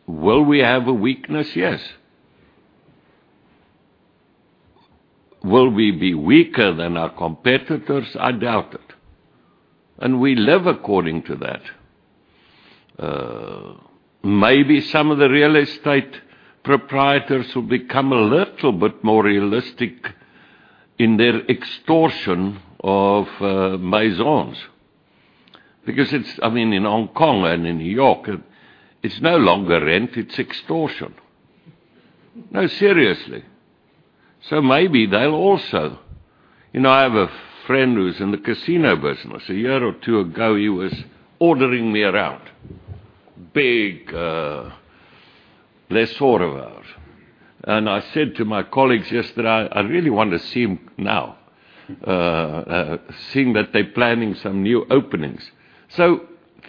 Speaker 6: Will we have a weakness? Yes. Will we be weaker than our competitors? I doubt it. We live according to that. Maybe some of the real estate proprietors will become a little bit more realistic in their extortion of Maisons. Because in Hong Kong and in New York, it's no longer rent, it's extortion. No, seriously. I have a friend who's in the casino business. A year or two ago, he was ordering me around. Big lessor of ours. I said to my colleagues yesterday, "I really want to see him now, seeing that they're planning some new openings."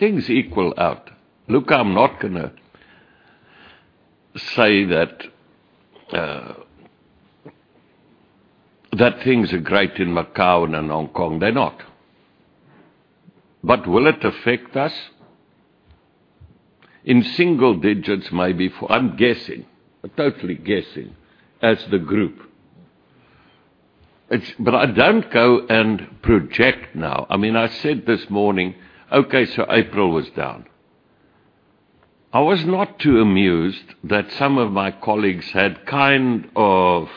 Speaker 6: Things equal out. Look, I'm not going to say that things are great in Macau and in Hong Kong. They're not. Will it affect us? In single digits, maybe. I'm guessing. I'm totally guessing as the group. I don't go and project now. I said this morning, "Okay, April was down." I was not too amused that some of my colleagues had kind of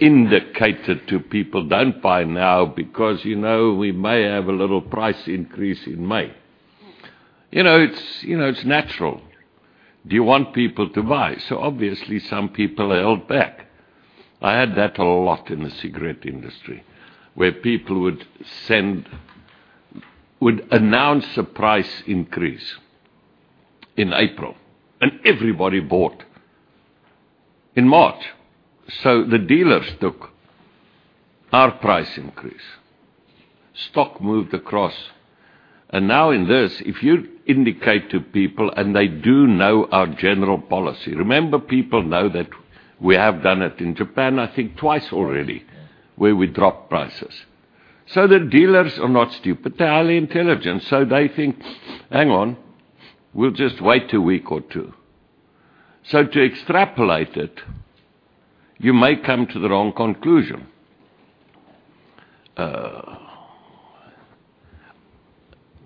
Speaker 6: indicated to people, "Don't buy now because we may have a little price increase in May." It's natural. Do you want people to buy? Obviously, some people held back. I had that a lot in the cigarette industry, where people would announce a price increase in April, everybody bought in March. The dealers took our price increase. Stock moved across. Now in this, if you indicate to people, they do know our general policy. Remember, people know that we have done it in Japan, I think twice already, where we dropped prices. The dealers are not stupid. They're highly intelligent. They think, "Hang on, we'll just wait a week or two." To extrapolate it, you may come to the wrong conclusion.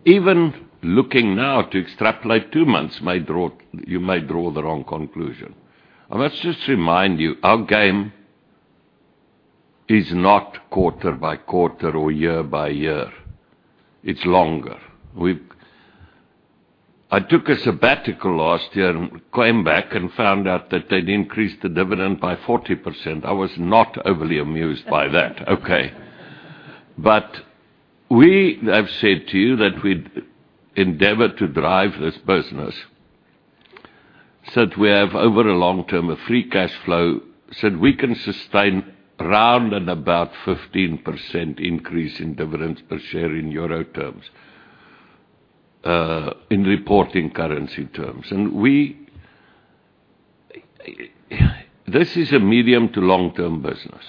Speaker 6: Even looking now to extrapolate two months, you may draw the wrong conclusion. Let's just remind you, our game is not quarter by quarter or year by year. It's longer. I took a sabbatical last year and came back and found out that they'd increased the dividend by 40%. I was not overly amused by that. Okay. We have said to you that we endeavor to drive this business, that we have, over a long term, a free cash flow, that we can sustain around and about 15% increase in dividends per share in EUR terms, in reporting currency terms. This is a medium to long-term business.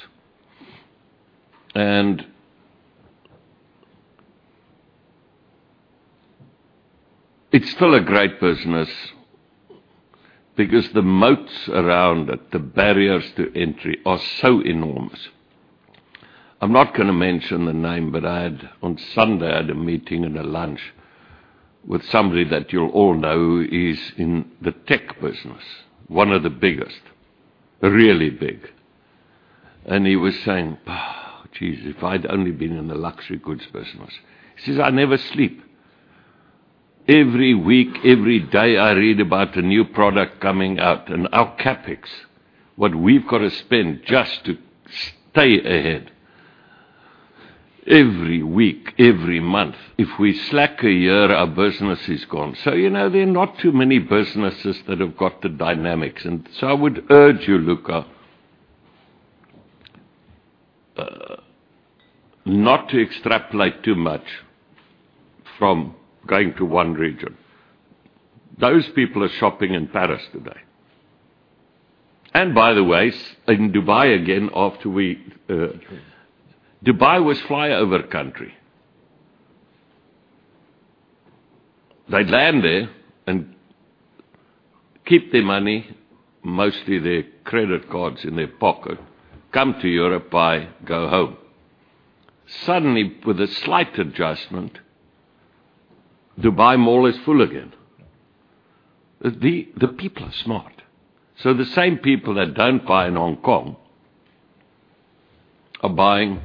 Speaker 6: It's still a great business because the moats around it, the barriers to entry are so enormous. I'm not going to mention the name, but on Sunday, I had a meeting and a lunch with somebody that you'll all know, who is in the tech business, one of the biggest, really big. He was saying, "Oh, geez, if I'd only been in the luxury goods business." He says, "I never sleep. Every week, every day, I read about a new product coming out, and our CapEx, what we've got to spend just to stay ahead. Every week, every month. If we slack a year, our business is gone." There are not too many businesses that have got the dynamics. I would urge you, Luca, not to extrapolate too much from going to one region. Those people are shopping in Paris today. By the way, in Dubai again, after we-- Dubai was flyover country. They'd land there and keep their money, mostly their credit cards in their pocket, come to Europe, buy, go home. Suddenly, with a slight adjustment, Dubai Mall is full again. The people are smart. The same people that don't buy in Hong Kong are buying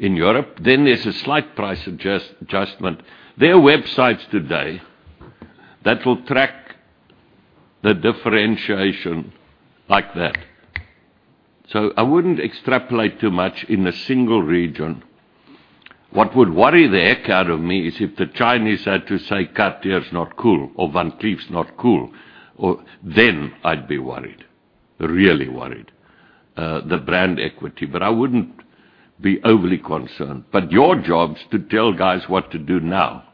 Speaker 6: in Europe. There's a slight price adjustment. There are websites today that will track the differentiation like that. I wouldn't extrapolate too much in a single region. What would worry the heck out of me is if the Chinese had to say Cartier is not cool or Van Cleef's not cool, then I'd be worried, really worried. The brand equity. I wouldn't be overly concerned. Your job is to tell guys what to do now,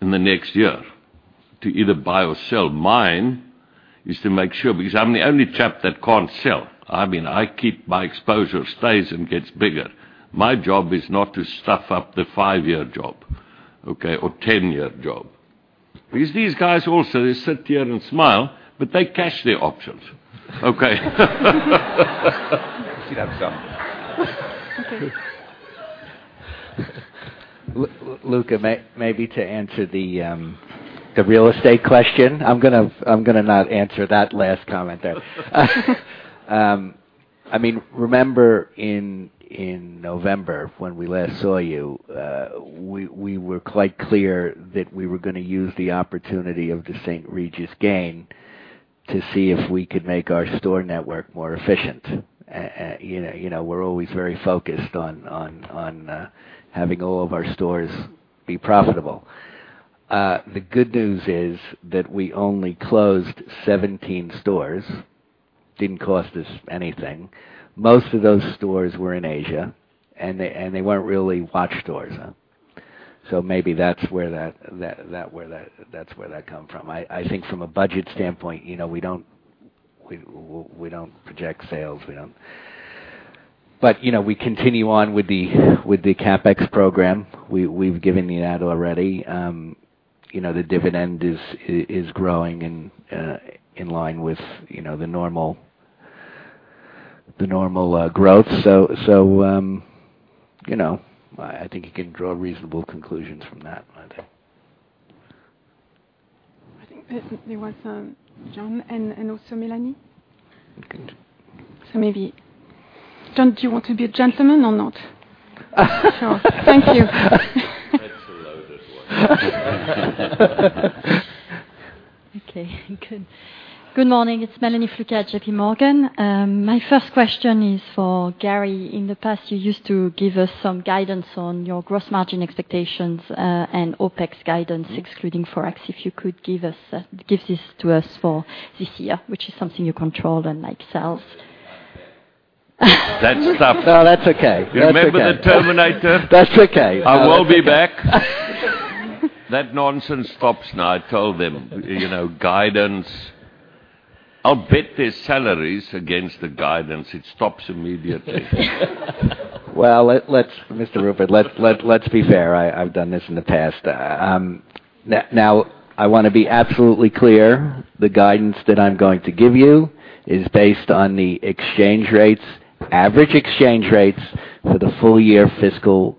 Speaker 6: in the next year, to either buy or sell. Mine is to make sure, because I'm the only chap that can't sell. I keep my exposure, stays and gets bigger. My job is not to stuff up the five-year job, okay, or 10-year job. These guys also, they sit here and smile, but they cash their options. Okay.
Speaker 4: See that coming.
Speaker 7: Okay.
Speaker 4: Luca, maybe to answer the real estate question. I'm going to not answer that last comment there. Remember in November, when we last saw you, we were quite clear that we were going to use the opportunity of the St. Regis gain to see if we could make our store network more efficient. We're always very focused on having all of our stores be profitable. The good news is that we only closed 17 stores. Didn't cost us anything. Most of those stores were in Asia, and they weren't really watch stores. Maybe that's where that come from. I think from a budget standpoint, we don't project sales. We continue on with the CapEx program. We've given you that already. The dividend is growing in line with the normal growth. I think you can draw reasonable conclusions from that, I think.
Speaker 1: I think there was Jon and also Mélanie.
Speaker 4: Okay. Maybe, Jon, do you want to be a gentleman or not? Thank you.
Speaker 6: That's a loaded one.
Speaker 1: Okay, good. Good morning. It's Mélanie Flouquet at JPMorgan. My first question is for Gary. In the past, you used to give us some guidance on your gross margin expectations, and OpEx guidance excluding Forex. If you could give this to us for this year, which is something you control unlike sales.
Speaker 6: That's tough.
Speaker 4: No, that's okay.
Speaker 6: Remember "The Terminator?
Speaker 4: That's okay.
Speaker 6: I will be back." That nonsense stops now. I told them. Guidance. I'll bet their salaries against the guidance. It stops immediately.
Speaker 4: Well, Johann Rupert, let's be fair. I've done this in the past. Now, I want to be absolutely clear. The guidance that I'm going to give you is based on the average exchange rates for the full year fiscal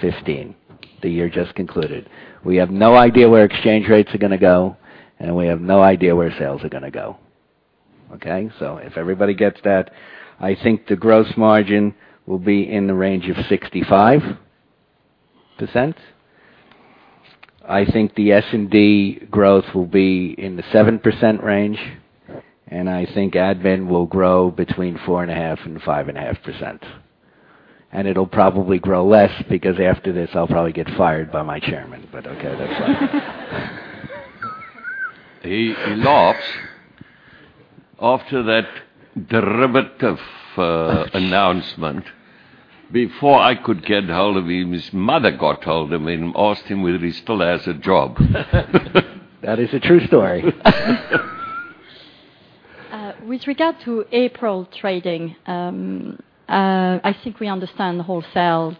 Speaker 4: 2015, the year just concluded. We have no idea where exchange rates are going to go, and we have no idea where sales are going to go. Okay? If everybody gets that, I think the gross margin will be in the range of 65%. I think the S&D growth will be in the 7% range. I think admin will grow between four and a half and five and a half percent. It'll probably grow less because after this, I'll probably get fired by my chairman. Okay, that's fine.
Speaker 6: After that derivative announcement, before I could get hold of him, his mother got hold of him and asked him whether he still has a job.
Speaker 4: That is a true story.
Speaker 8: With regard to April trading, I think we understand wholesale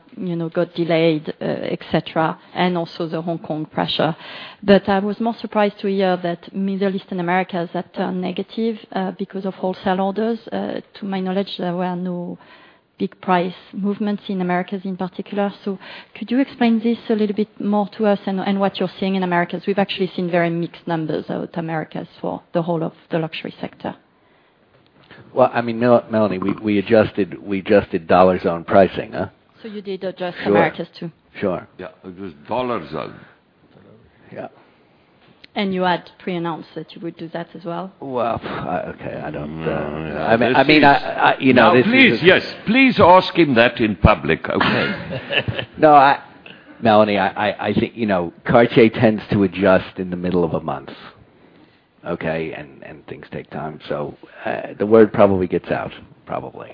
Speaker 8: got delayed, et cetera, and also the Hong Kong pressure. I was more surprised to hear that Middle East and Americas that turned negative because of wholesale orders. To my knowledge, there were no big price movements in Americas in particular. Could you explain this a little bit more to us and what you're seeing in Americas? We've actually seen very mixed numbers out Americas for the whole of the luxury sector.
Speaker 4: Well, Mélanie, we adjusted dollars on pricing.
Speaker 8: You did adjust Americas, too?
Speaker 4: Sure.
Speaker 6: It was $.
Speaker 4: Yeah.
Speaker 8: You had pre-announced that you would do that as well?
Speaker 4: Well, okay.
Speaker 6: No.
Speaker 4: I mean.
Speaker 6: Please. Yes. Please ask him that in public, okay?
Speaker 4: No, Mélanie, Cartier tends to adjust in the middle of a month. Okay? Things take time. The word probably gets out. Probably.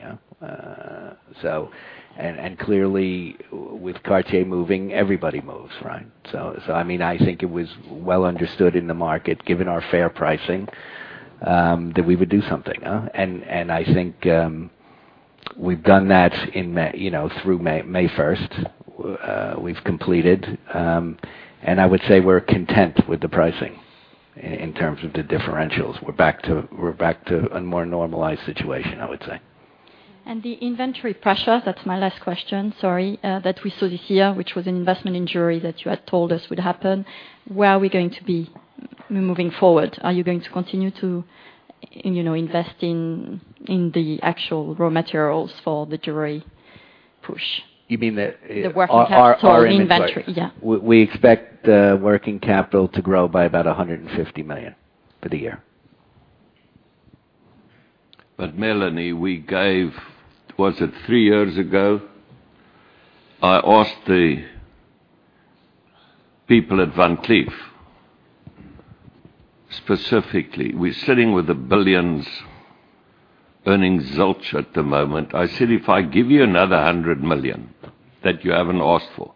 Speaker 4: Clearly with Cartier moving, everybody moves, right? I think it was well understood in the market, given our fair pricing, that we would do something. I think we've done that through May 1st. We've completed. I would say we're content with the pricing in terms of the differentials. We're back to a more normalized situation, I would say.
Speaker 8: The inventory pressure, that's my last question, sorry, that we saw this year, which was an investment in jewelry that you had told us would happen. Where are we going to be moving forward? Are you going to continue to invest in the actual raw materials for the jewelry push?
Speaker 4: You mean
Speaker 8: The working capital in inventory. Yeah.
Speaker 4: We expect the working capital to grow by about 150 million for the year.
Speaker 6: Mélanie, we gave, was it three years ago? I asked the people at Van Cleef specifically. We're sitting with the billions, earning zilch at the moment. I said, "If I give you another 100 million that you haven't asked for,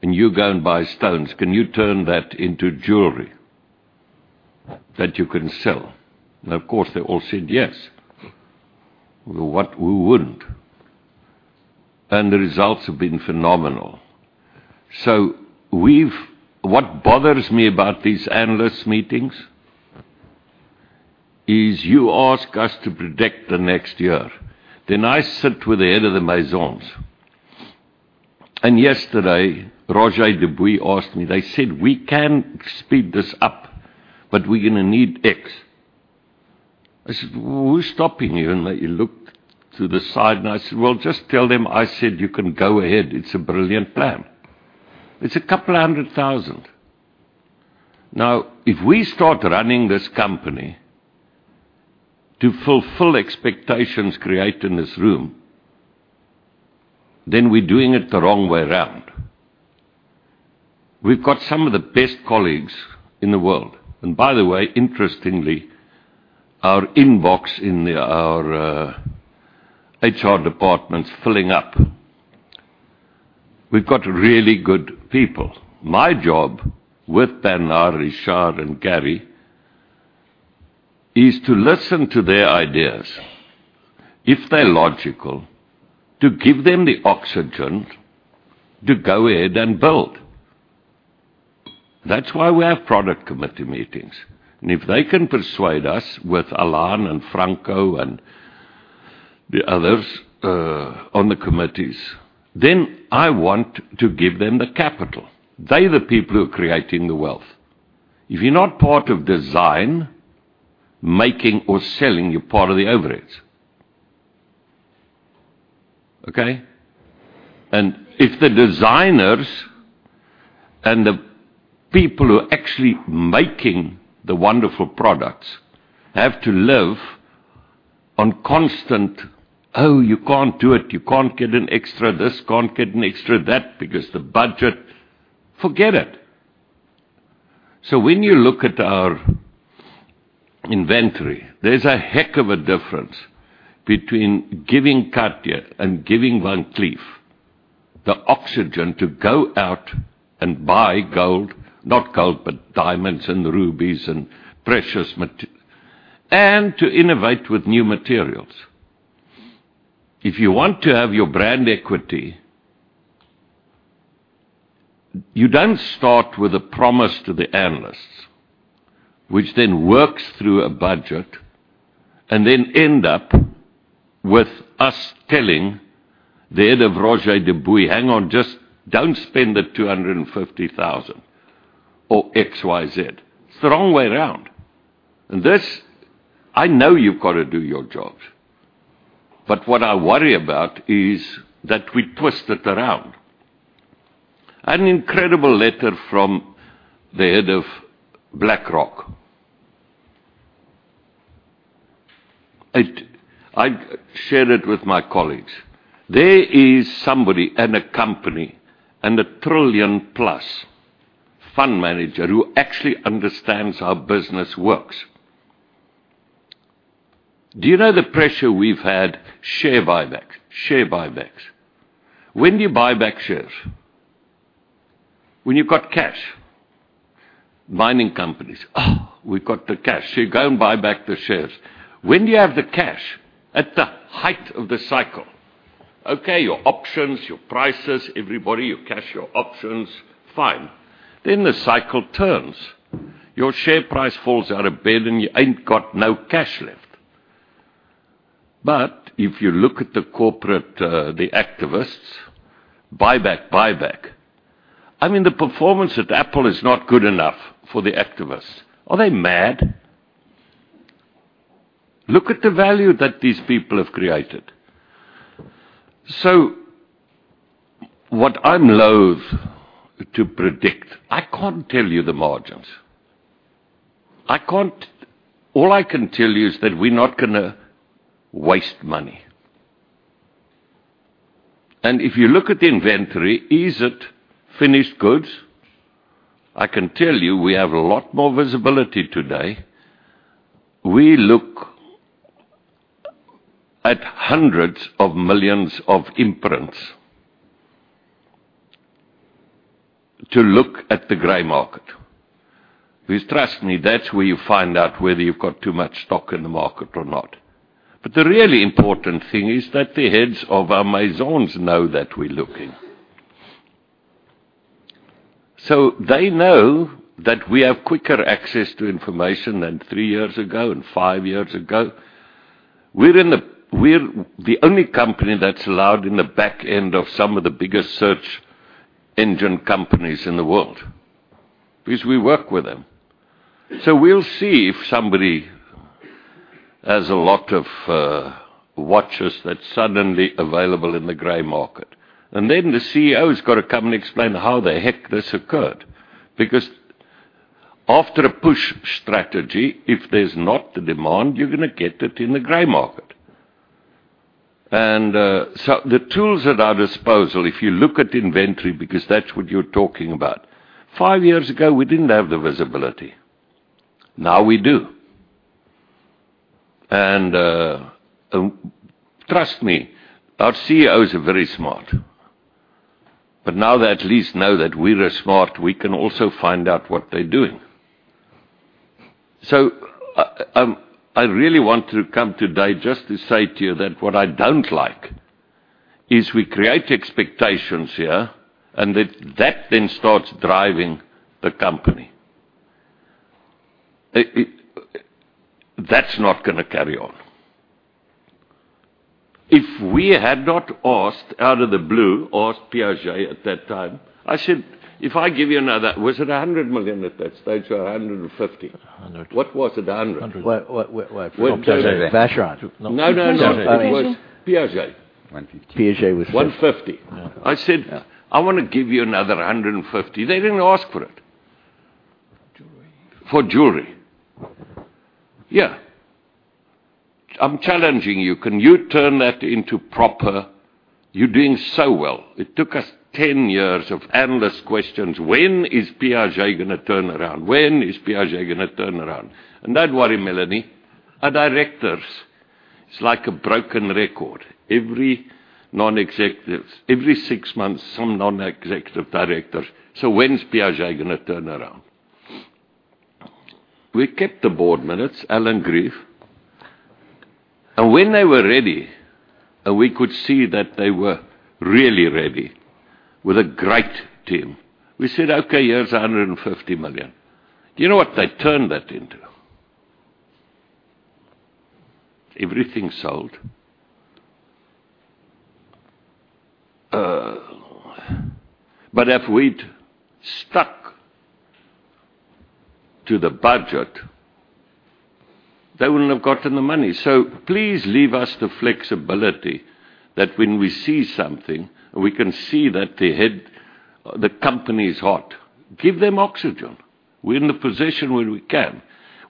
Speaker 6: and you go and buy stones, can you turn that into jewelry that you can sell?" Of course, they all said yes. Who wouldn't? The results have been phenomenal. What bothers me about these analyst meetings is you ask us to predict the next year. I sit with the head of the Maisons. Yesterday, Roger Dubuis asked me, they said, "We can speed this up, but we're going to need X." I said, "Who's stopping you?" He looked to the side, and I said, "Just tell them I said you can go ahead. It's a brilliant plan." It's 200,000. If we start running this company to fulfill expectations created in this room, then we're doing it the wrong way around. We've got some of the best colleagues in the world. By the way, interestingly, our inbox in our HR department is filling up. We've got really good people. My job with Bernard, Richard, and Gary is to listen to their ideas. If they're logical, to give them the oxygen to go ahead and build. That's why we have product committee meetings. If they can persuade us with Alain and Franco and the others on the committees, then I want to give them the capital. They the people who are creating the wealth. If you're not part of design, making or selling, you're part of the overheads. Okay. If the designers and the people who are actually making the wonderful products have to live on constant, "Oh, you can't do it. You can't get an extra this, can't get an extra that because the budget." Forget it. When you look at our inventory, there's a heck of a difference between giving Cartier and giving Van Cleef the oxygen to go out and buy gold. Not gold, but diamonds and rubies and precious materials, and to innovate with new materials. If you want to have your brand equity, you don't start with a promise to the analysts, which then works through a budget and then end up with us telling the head of Roger Dubuis, "Hang on, just don't spend the 250,000 or XYZ." It's the wrong way around. This, I know you've got to do your jobs, what I worry about is that we twist it around. An incredible letter from the head of BlackRock. I shared it with my colleagues. There is somebody in a company and a trillion-plus fund manager who actually understands how business works. Do you know the pressure we've had share buybacks? Share buybacks. When do you buy back shares? When you've got cash. Mining companies, "Oh, we've got the cash." You go and buy back the shares. When do you have the cash? At the height of the cycle. Okay, your options, your prices, everybody, you cash your options. Fine. The cycle turns. Your share price falls out of bed and you ain't got no cash left. If you look at the corporate, the activists, buyback. I mean, the performance at Apple is not good enough for the activists. Are they mad? Look at the value that these people have created. What I loathe to predict, I can't tell you the margins. All I can tell you is that we're not going to waste money. If you look at the inventory, is it finished goods? I can tell you we have a lot more visibility today. We look at hundreds of millions of imprints to look at the gray market. Trust me, that's where you find out whether you've got too much stock in the market or not. The really important thing is that the heads of our maisons know that we're looking. They know that we have quicker access to information than three years ago and five years ago. We're the only company that's allowed in the back end of some of the biggest search engine companies in the world because we work with them. We'll see if somebody has a lot of watches that's suddenly available in the gray market. The CEO has got to come and explain how the heck this occurred. Because after a push strategy, if there's not the demand, you're going to get it in the gray market. The tools at our disposal, if you look at inventory, because that's what you're talking about. Five years ago, we didn't have the visibility. Now we do. Trust me, our CEOs are very smart. Now they at least know that we are smart, we can also find out what they're doing. I really want to come today just to say to you that what I don't like is we create expectations here, that starts driving the company. That's not going to carry on. If we had not asked out of the blue, asked Piaget at that time. I said, "If I give you another" Was it 100 million at that stage or 150 million? 100 million. What was it, 100 million? 100 million. Wait. Piaget. What was it? Vacheron. No, no. Piaget. It was Piaget. Piaget was 150 million. I said, "Yeah, I want to give you another 150 million." They didn't ask for it. Jewelry. For jewelry. Yeah. I'm challenging you. Can you turn that into proper You're doing so well. It took us 10 years of endless questions. When is Piaget going to turn around? When is Piaget going to turn around? Don't worry, Melanie, our directors, it's like a broken record. Every non-executive, every six months, some non-executive directors, "When's Piaget going to turn around?" We kept the board minutes, Alain, Graeme. When they were ready and we could see that they were really ready with a great team, we said, "Okay, here's 150 million." Do you know what they turned that into? Everything sold. If we'd stuck to the budget, they wouldn't have gotten the money. Please leave us the flexibility that when we see something and we can see that the company is hot, give them oxygen. We're in the position where we can.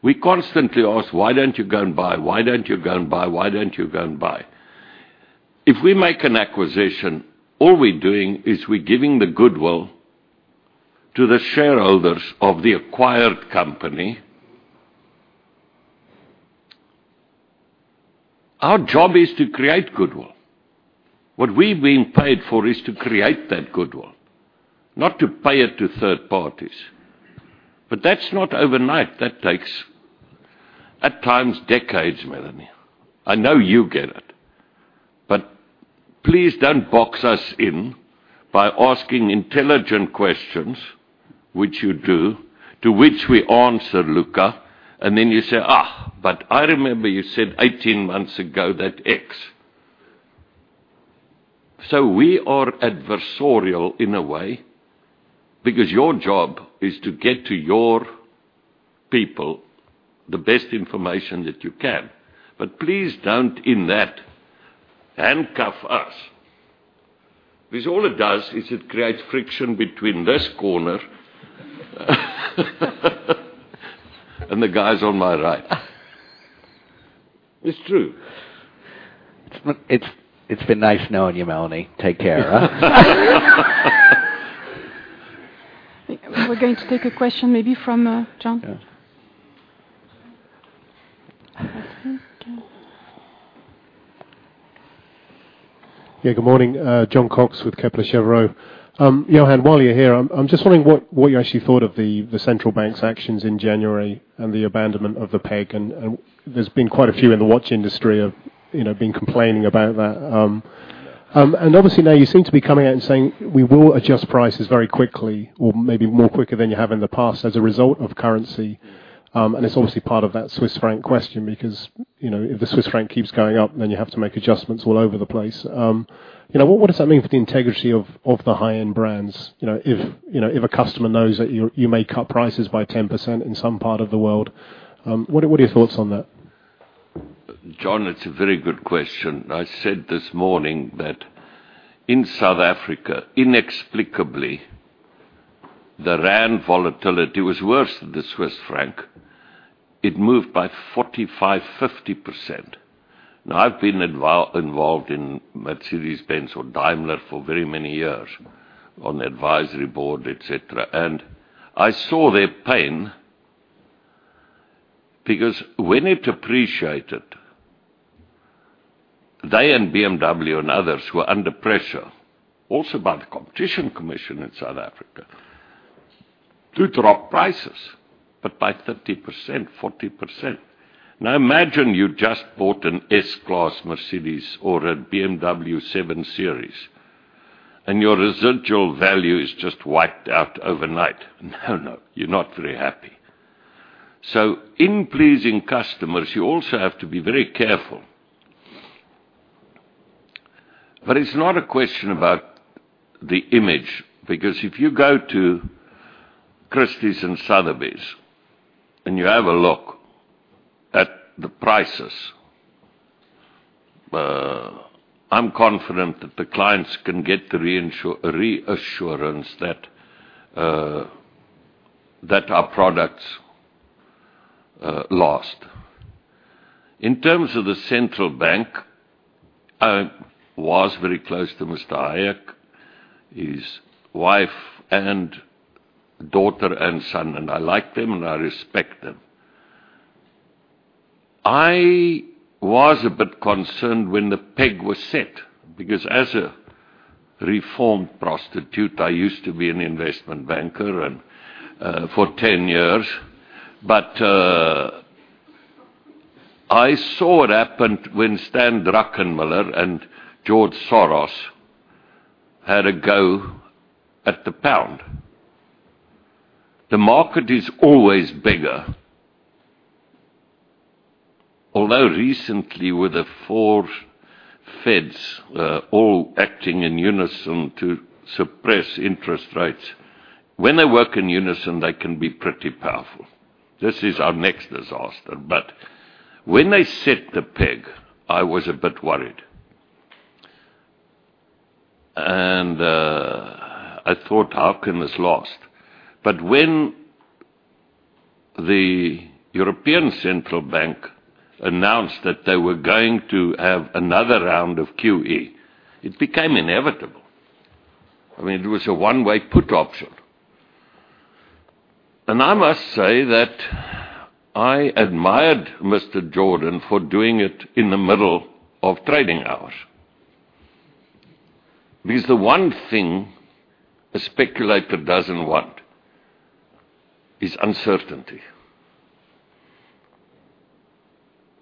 Speaker 6: We constantly ask, "Why don't you go and buy? Why don't you go and buy? Why don't you go and buy?" If we make an acquisition, all we're doing is we're giving the goodwill to the shareholders of the acquired company. Our job is to create goodwill. What we've been paid for is to create that goodwill, not to pay it to third parties. That's not overnight. That takes, at times, decades, Melanie. I know you get it. Please don't box us in by asking intelligent questions, which you do, to which we answer, Luca. You say, "I remember you said 18 months ago that X." We are adversarial in a way because your job is to get to your people the best information that you can. Please don't, in that, handcuff us. Because all it does is it creates friction between this corner and the guys on my right. It's true.
Speaker 4: It's been nice knowing you, Melanie. Take care.
Speaker 1: We're going to take a question maybe from Jon.
Speaker 9: Yeah. Right here. Jon. Yeah. Good morning. Jon Cox with Kepler Cheuvreux. Johann, while you're here, I'm just wondering what you actually thought of the central bank's actions in January and the abandonment of the peg. There's been quite a few in the watch industry who have been complaining about that. Obviously, now you seem to be coming out and saying, "We will adjust prices very quickly," or maybe more quicker than you have in the past as a result of currency. It's obviously part of that Swiss franc question because if the Swiss franc keeps going up, then you have to make adjustments all over the place. What does that mean for the integrity of the high-end brands? If a customer knows that you may cut prices by 10% in some part of the world. What are your thoughts on that?
Speaker 6: John, it's a very good question. I said this morning that in South Africa, inexplicably, the rand volatility was worse than the Swiss franc. It moved by 45%, 50%. I've been involved in Mercedes-Benz or Daimler for very many years on the advisory board, et cetera. I saw their pain because when it appreciated, they and BMW and others were under pressure, also by the Competition Commission in South Africa, to drop prices, but by 30%, 40%. Imagine you just bought an S-Class Mercedes or a BMW 7 Series, and your residual value is just wiped out overnight. No, you're not very happy. In pleasing customers, you also have to be very careful. It's not a question about the image. If you go to Christie's and Sotheby's and you have a look at the prices, I'm confident that the clients can get the reassurance that our products last. In terms of the central bank, I was very close to Nicolas Hayek, his wife and daughter and son, and I like them, and I respect them. I was a bit concerned when the peg was set because as a reformed prostitute, I used to be an investment banker for 10 years. I saw what happened when Stanley Druckenmiller and George Soros had a go at the pound. The market is always bigger. Although recently with the four feds all acting in unison to suppress interest rates. When they work in unison, they can be pretty powerful. This is our next disaster. When they set the peg, I was a bit worried. I thought, "Harkin is lost." When the European Central Bank announced that they were going to have another round of QE, it became inevitable. I mean, it was a one-way put option. I must say that I admired Christopher Jordan for doing it in the middle of trading hours Because the one thing a speculator doesn't want is uncertainty.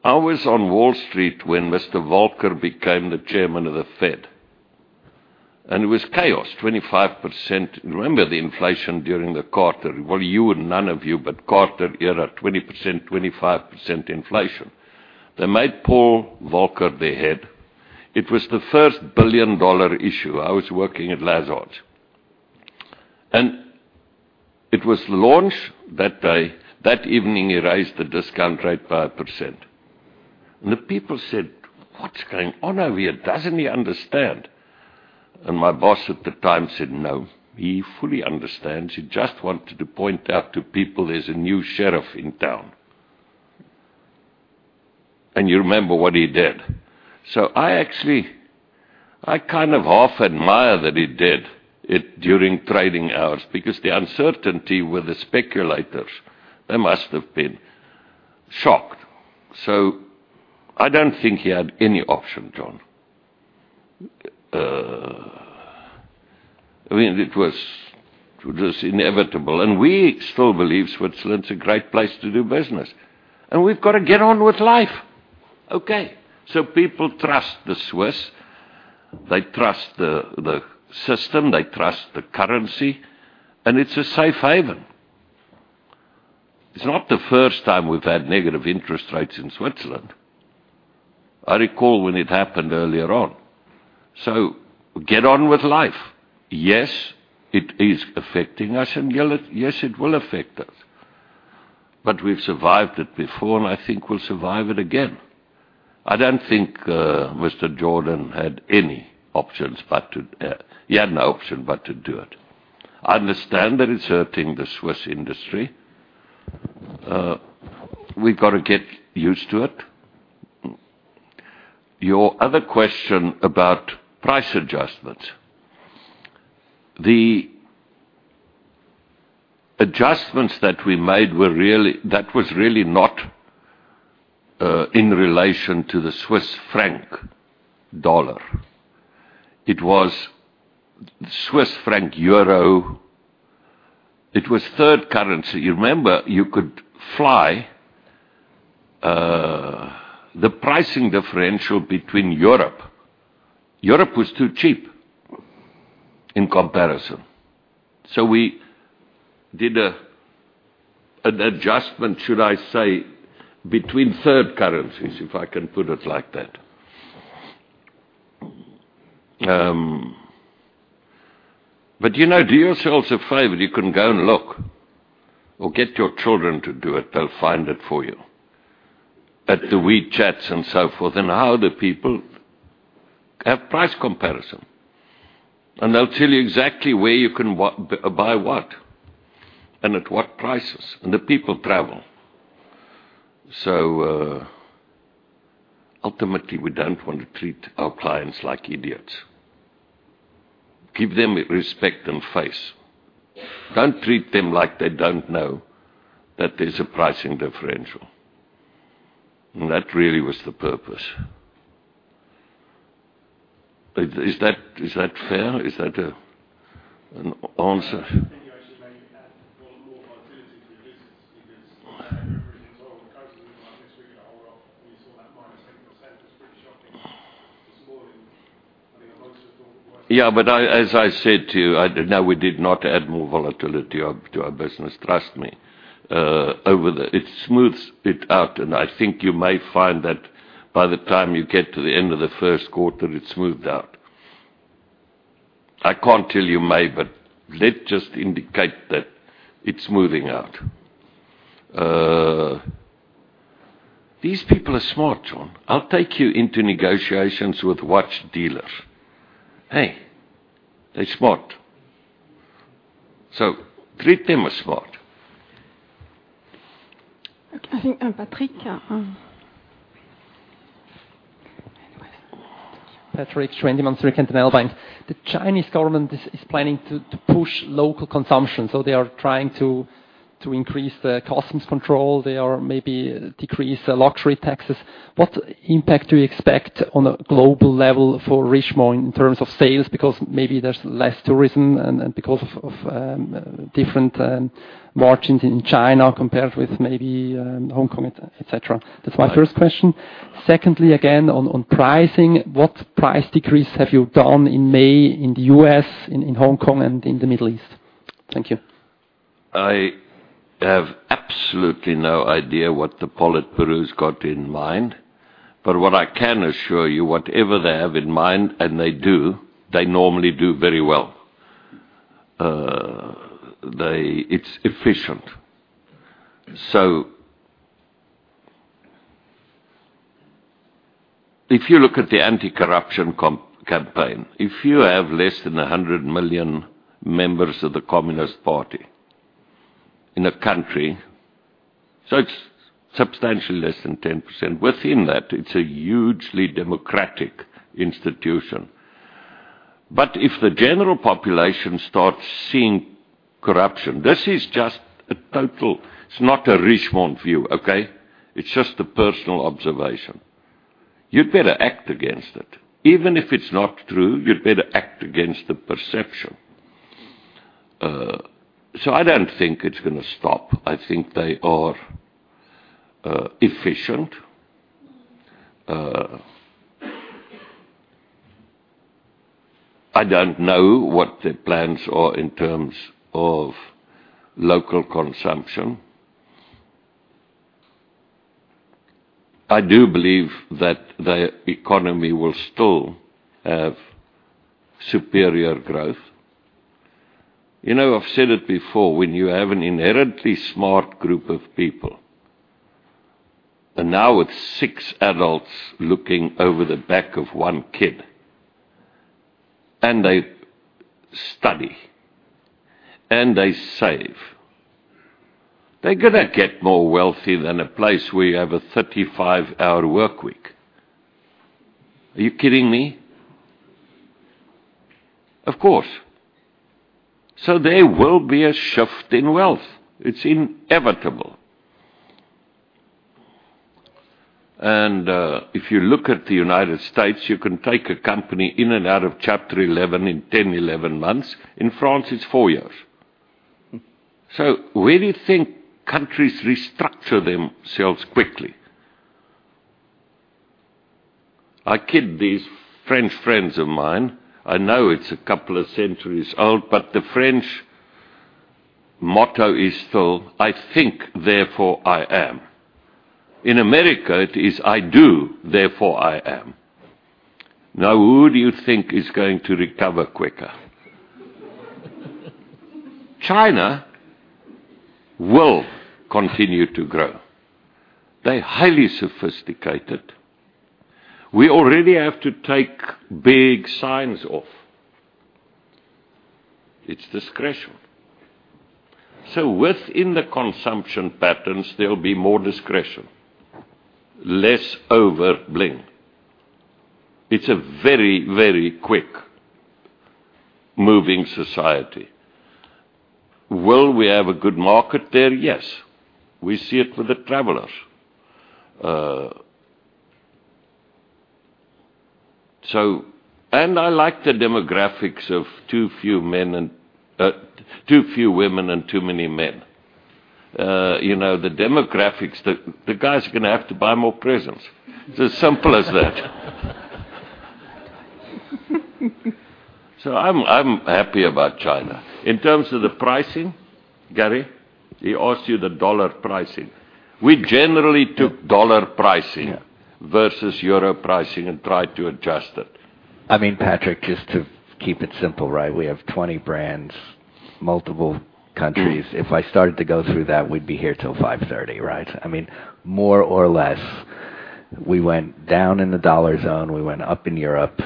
Speaker 6: I was on Wall Street when Mr. Volcker became the chairman of The Fed, and it was chaos, 25%. Remember the inflation during the Carter era, 20%, 25% inflation. They made Paul Volcker their head. It was the first billion-dollar issue. I was working at Lazard. It was launched that day. That evening, he raised the discount rate by a percent. The people said, "What's going on over here? Doesn't he understand?" My boss at the time said, "No, he fully understands. He just wanted to point out to people there's a new sheriff in town." You remember what he did. I actually half admire that he did it during trading hours because the uncertainty with the speculators, they must have been shocked. I don't think he had any option, John. I mean, it was just inevitable. We still believe Switzerland is a great place to do business. We've got to get on with life. Okay. People trust the Swiss. They trust the system, they trust the currency, and it's a safe haven. It's not the first time we've had negative interest rates in Switzerland. I recall when it happened earlier on. Get on with life. Yes, it is affecting us, and yes, it will affect us. We've survived it before, I think we'll survive it again. I don't think Christopher Jordan had any options. He had no option but to do it. I understand that it's hurting the Swiss industry. We've got to get used to it. Your other question about price adjustments. The adjustments that we made, that was really not in relation to the Swiss franc USD. It was Swiss franc EUR. It was third currency. You remember you could fly. The pricing differential between Europe. Europe was too cheap in comparison. We did an adjustment, should I say, between third currencies, if I can put it like that. Do yourselves a favor, you can go and look or get your children to do it. They'll find it for you. At the WeChats and so forth and how the people have price comparison. They'll tell you exactly where you can buy what and at what prices. The people travel. Ultimately, we don't want to treat our clients like idiots. Give them respect and face. Don't treat them like they don't know that there's a pricing differential. That really was the purpose. Is that fair? Is that an answer?
Speaker 9: I think you actually may have added more volatility to your business because I remember reading this morning the coaches were like, "This figure to hold off." You saw that minus 10% was pretty shocking this morning.
Speaker 6: As I said to you, no, we did not add more volatility to our business, trust me. It smooths it out, I think you may find that by the time you get to the end of the first quarter, it's smoothed out. I can't tell you may, but let's just indicate that it's smoothing out. These people are smart, Jon. I'll take you into negotiations with watch dealers. Hey, they're smart. Treat them as smart.
Speaker 1: I think Patrik.
Speaker 10: Patrik, 20 months, Zürcher Kantonalbank. The Chinese government is planning to push local consumption, they are trying to increase the customs control. They are maybe decrease luxury taxes. What impact do you expect on a global level for Richemont in terms of sales? Because maybe there's less tourism and because of different margins in China compared with maybe Hong Kong, et cetera. That's my first question. Secondly, again, on pricing, what price decrease have you done in May in the U.S., in Hong Kong, and in the Middle East? Thank you.
Speaker 6: I have absolutely no idea what the politburo's got in mind. What I can assure you, whatever they have in mind, and they do, they normally do very well. It's efficient. If you look at the anti-corruption campaign, if you have less than 100 million members of the Communist Party in a country, it's substantially less than 10%. Within that, it's a hugely democratic institution. If the general population starts seeing corruption. This is just a It's not a Richemont view, okay? It's just a personal observation. You'd better act against it. Even if it's not true, you'd better act against the perception. I don't think it's going to stop. I think they are efficient. I don't know what their plans are in terms of local consumption. I do believe that their economy will still have superior growth. I've said it before, when you have an inherently smart group of people, and now with six adults looking over the back of one kid, and they study, and they save, they're going to get more wealthy than a place where you have a 35-hour workweek. Are you kidding me? Of course. There will be a shift in wealth. It's inevitable. If you look at the United States, you can take a company in and out of chapter 11 in 10, 11 months. In France, it's four years. Where do you think countries restructure themselves quickly? I kid these French friends of mine. I know it's a couple of centuries old, but the French motto is still, "I think, therefore I am." In America, it is, "I do, therefore I am." Who do you think is going to recover quicker? China will continue to grow. They're highly sophisticated. We already have to take big signs off. It's discretion. Within the consumption patterns, there'll be more discretion, less over-bling. It's a very, very quick-moving society. Will we have a good market there? Yes. We see it with the travelers. I like the demographics of too few women, and too many men. The guys are going to have to buy more presents. It's as simple as that. I'm happy about China. In terms of the pricing, Gary, he asked you the dollar pricing. We generally took dollar pricing-
Speaker 4: Yeah
Speaker 6: versus EUR pricing and tried to adjust it.
Speaker 4: Patrik, just to keep it simple, we have 20 brands, multiple countries. If I started to go through that, we'd be here till 5:30, right? More or less, we went down in the dollar zone. We went up in Europe,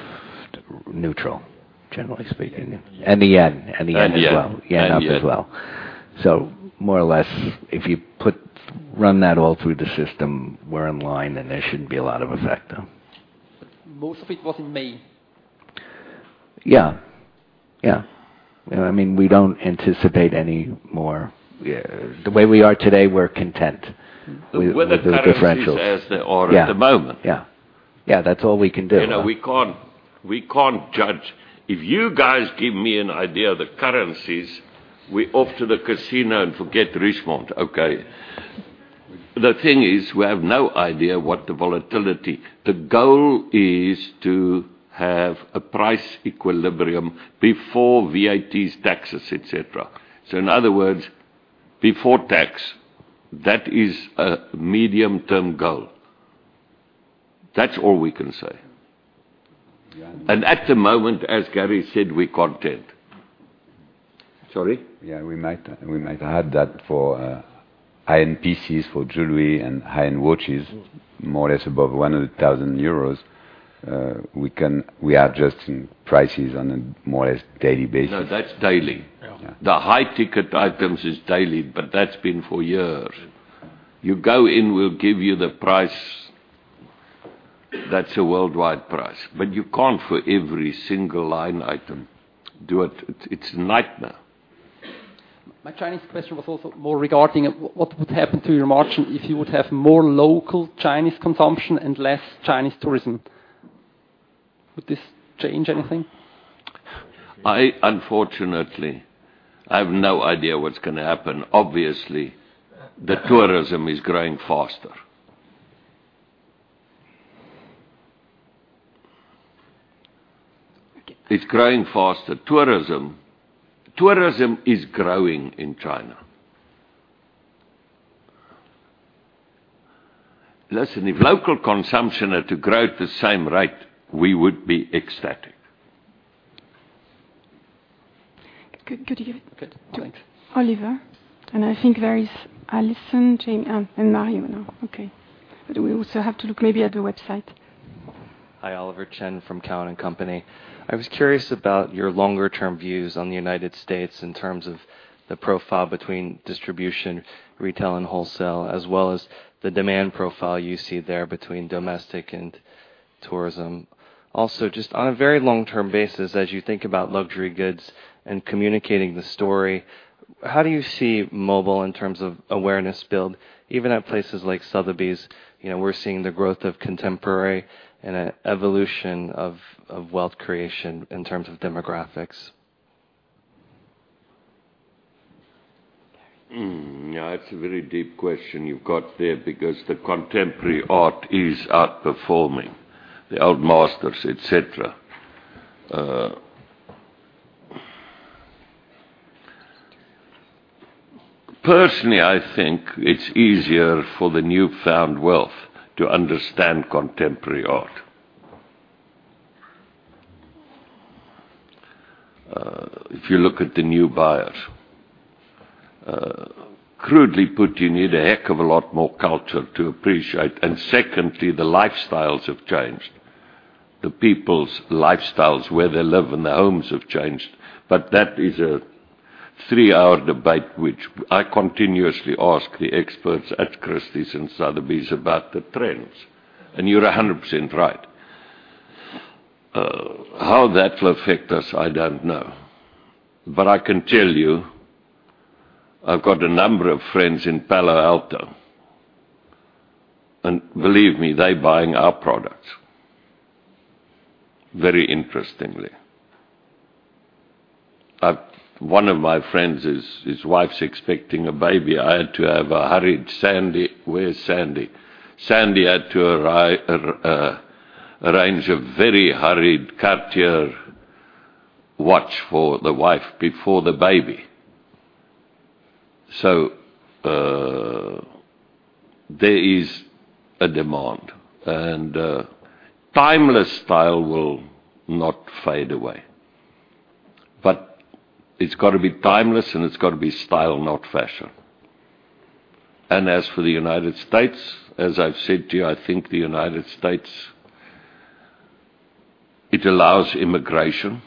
Speaker 4: neutral, generally speaking. The JPY as well.
Speaker 6: JPY.
Speaker 4: Yen up as well. More or less, if you run that all through the system, we're in line, and there shouldn't be a lot of effect though.
Speaker 10: Most of it was in May.
Speaker 4: Yeah. We don't anticipate any more.
Speaker 6: Yeah.
Speaker 4: The way we are today, we're content with the differentials.
Speaker 6: With the currencies as they are at the moment.
Speaker 4: Yeah. That's all we can do.
Speaker 6: We can't judge. If you guys give me an idea of the currencies, we're off to the casino and forget Richemont, okay? The thing is, we have no idea what the volatility. The goal is to have a price equilibrium before VAT, taxes, et cetera. In other words, before tax. That is a medium-term goal. That's all we can say.
Speaker 4: Yeah.
Speaker 6: At the moment, as Gary said, we're content. Sorry?
Speaker 2: Yeah, we might add that for high-end PCs, for jewelry, and high-end watches, more or less above 100,000 euros, we are adjusting prices on a more or less daily basis.
Speaker 6: No, that's daily.
Speaker 2: Yeah.
Speaker 6: The high-ticket items is daily, that's been for years. You go in, we'll give you the price. That's a worldwide price. You can't for every single line item do it. It's a nightmare.
Speaker 10: My Chinese question was also more regarding what would happen to your margin if you would have more local Chinese consumption and less Chinese tourism. Would this change anything?
Speaker 6: Unfortunately, I have no idea what's going to happen. Obviously, the tourism is growing faster. It's growing faster. Tourism is growing in China. Listen, if local consumption had to grow at the same rate, we would be ecstatic.
Speaker 1: Good. Could you give it to Oliver? I think there is Allison, Jamie, and Mario now. Okay. We also have to look maybe at the website.
Speaker 11: Hi, Oliver Chen from Cowen and Company. I was curious about your longer-term views on the U.S. in terms of the profile between distribution, retail, and wholesale, as well as the demand profile you see there between domestic and Tourism. Just on a very long-term basis, as you think about luxury goods and communicating the story, how do you see mobile in terms of awareness build, even at places like Sotheby's? We're seeing the growth of contemporary and an evolution of wealth creation in terms of demographics.
Speaker 6: It's a very deep question you've got there because contemporary art is outperforming the old masters, et cetera. Personally, I think it's easier for the newfound wealth to understand contemporary art. If you look at the new buyers. Crudely put, you need a heck of a lot more culture to appreciate. Secondly, the lifestyles have changed. The people's lifestyles, where they live, and their homes have changed. That is a three-hour debate in which I continuously ask the experts at Christie's and Sotheby's about the trends. You're 100% right. How that will affect us, I don't know. I can tell you, I've got a number of friends in Palo Alto, and believe me, they're buying our products very interestingly. One of my friends, his wife's expecting a baby. I had to have a hurried Sandy. Where's Sandy? Sandy had to arrange a very hurried Cartier watch for the wife before the baby. There is a demand, and timeless style will not fade away. It's got to be timeless and it's got to be style, not fashion. As for the U.S., as I've said to you, I think the U.S. allows immigration.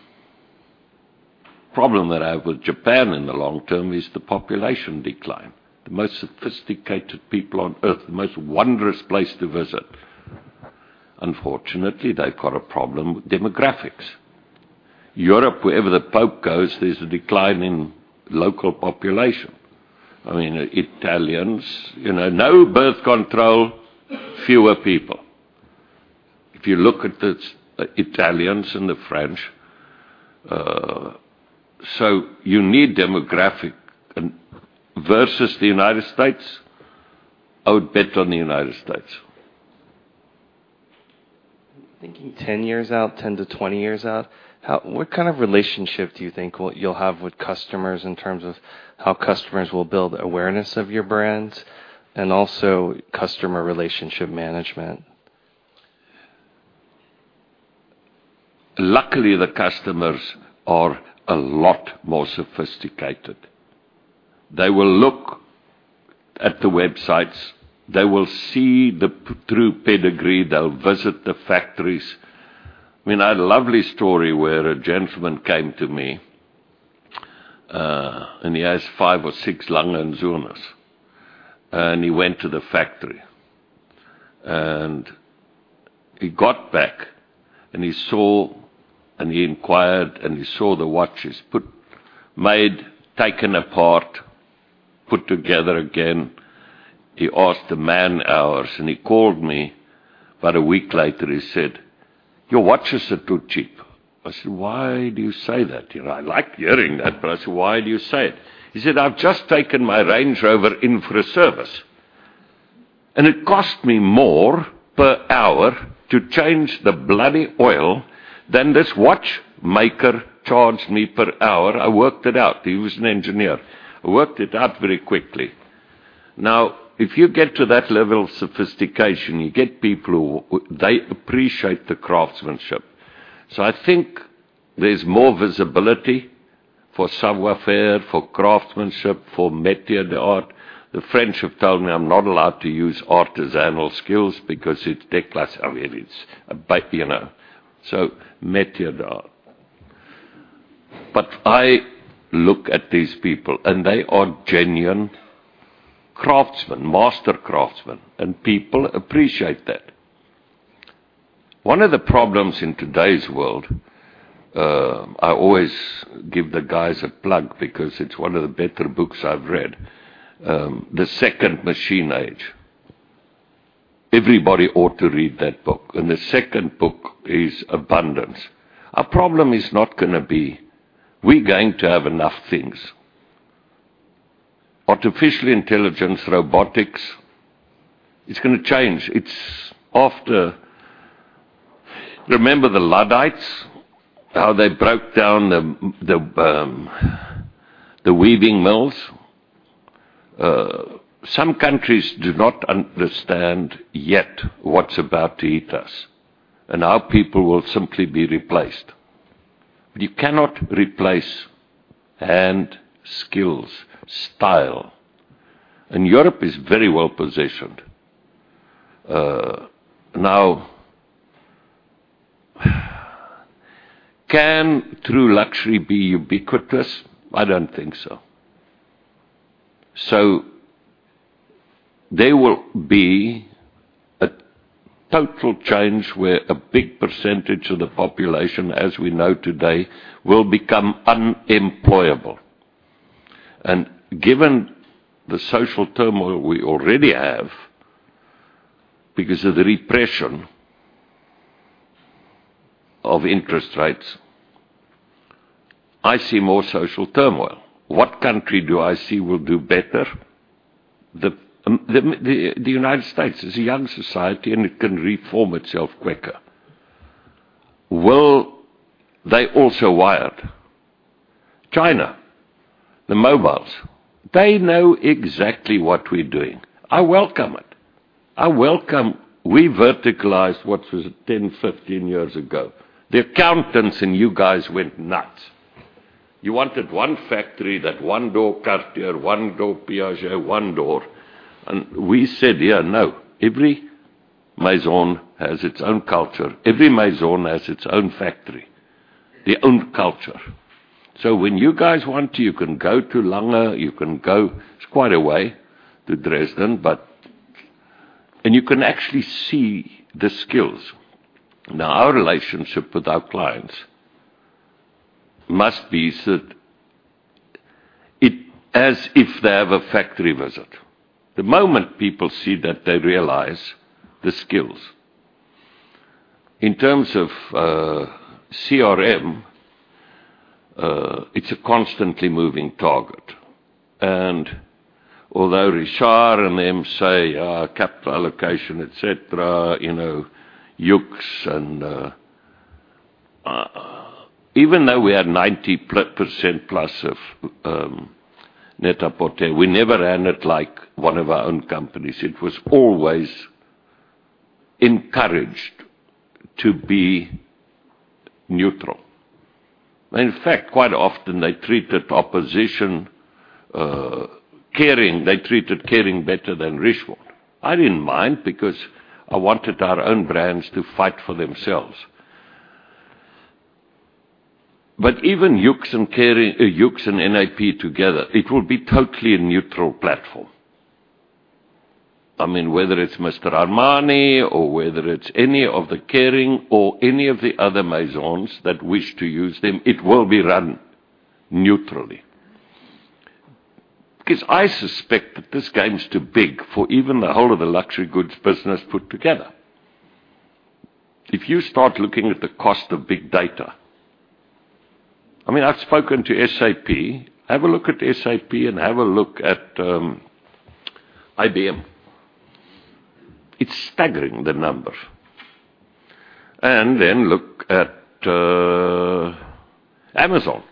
Speaker 6: Problem that I have with Japan in the long term is the population decline. The most sophisticated people on Earth, the most wondrous place to visit. Unfortunately, they've got a problem with demographics. Europe, wherever the Pope goes, there's a decline in local population. Italians, no birth control, fewer people. If you look at the Italians and the French. You need demographic versus the U.S. I would bet on the U.S.
Speaker 11: Thinking 10 years out, 10 to 20 years out, what kind of relationship do you think you'll have with customers in terms of how customers will build awareness of your brands and also customer relationship management?
Speaker 6: Luckily, the customers are a lot more sophisticated. They will look at the websites. They will see the true pedigree. They'll visit the factories. A lovely story where a gentleman came to me, and he has five or six Lange & Söhne, and he went to the factory. He got back and he inquired, and he saw the watches made, taken apart, put together again. He asked the man hours, and he called me about a week later. He said, "Your watches are too cheap." I said, "Why do you say that? I like hearing that," I said, "Why do you say it?" He said, "I've just taken my Range Rover in for a service, and it cost me more per hour to change the bloody oil than this watchmaker charged me per hour. I worked it out." He was an engineer. Worked it out very quickly. If you get to that level of sophistication, you get people who appreciate the craftsmanship. I think there's more visibility for savoir-faire, for craftsmanship, for métier d'art. The French have told me I'm not allowed to use artisanal skills because it's déclassé. It's a pipe. Métier d'art. I look at these people, and they are genuine craftsmen, master craftsmen, and people appreciate that. One of the problems in today's world, I always give the guys a plug because it's one of the better books I've read. "The Second Machine Age." Everybody ought to read that book. The second book is "Abundance." Our problem is not going to be we're going to have enough things. Artificial intelligence, robotics, it's going to change. Remember the Luddites, how they broke down the weaving mills? Some countries do not understand yet what's about to hit us, and our people will simply be replaced. You cannot replace hand skills, style. Europe is very well-positioned. Can true luxury be ubiquitous? I don't think so. There will be a total change where a big percentage of the population, as we know today, will become unemployable. Given the social turmoil we already have because of the repression of interest rates, I see more social turmoil. What country do I see will do better? The U.S. is a young society, and it can reform itself quicker. They're also wired. China, the mobiles, they know exactly what we're doing. I welcome it. I welcome we verticalized what was it? 10, 15 years ago. The accountants and you guys went nuts. You wanted one factory, that one door Cartier, one door Piaget, one door. We said, "Yeah, no, every maison has its own culture. Every maison has its own factory, their own culture." When you guys want to, you can go to Lange, you can go, it's quite a way to Dresden, but you can actually see the skills. Our relationship with our clients must be as if they have a factory visit. The moment people see that, they realize the skills. In terms of CRM, it's a constantly moving target. Although Richard and them say, capital allocation, et cetera, YOOX and even though we had 90% plus of Net-a-Porter, we never ran it like one of our own companies. It was always encouraged to be neutral. In fact, quite often they treated opposition, Kering, they treated Kering better than Richemont. I didn't mind because I wanted our own brands to fight for themselves. Even YOOX and Kering, YOOX and NAP together, it will be totally a neutral platform. I mean, whether it's Mr. Armani or whether it's any of the Kering or any of the other Maisons that wish to use them, it will be run neutrally. Because I suspect that this game is too big for even the whole of the luxury goods business put together. If you start looking at the cost of big data. I mean, I've spoken to SAP. Have a look at SAP and have a look at IBM. It's staggering the numbers. Then look at Amazon.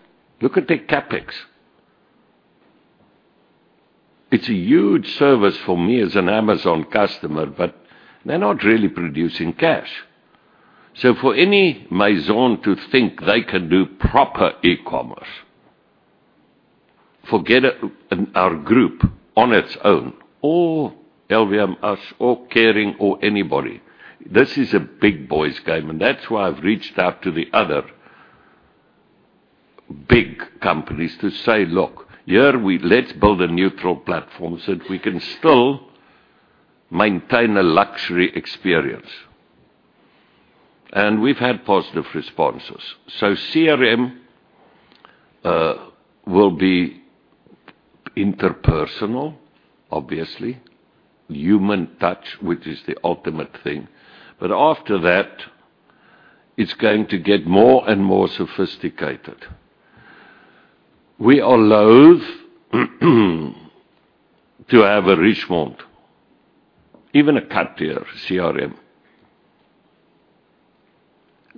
Speaker 6: Look at their CapEx. It's a huge service for me as an Amazon customer, but they're not really producing cash. For any Maison to think they can do proper e-commerce, forget our group on its own, or LVMH or Kering or anybody. This is a big boys game, and that's why I've reached out to the other big companies to say, "Look, here, let's build a neutral platform so that we can still maintain a luxury experience." We've had positive responses. CRM will be interpersonal, obviously. Human touch, which is the ultimate thing. After that, it's going to get more and more sophisticated. We are loathe to have a Richemont, even a Cartier CRM.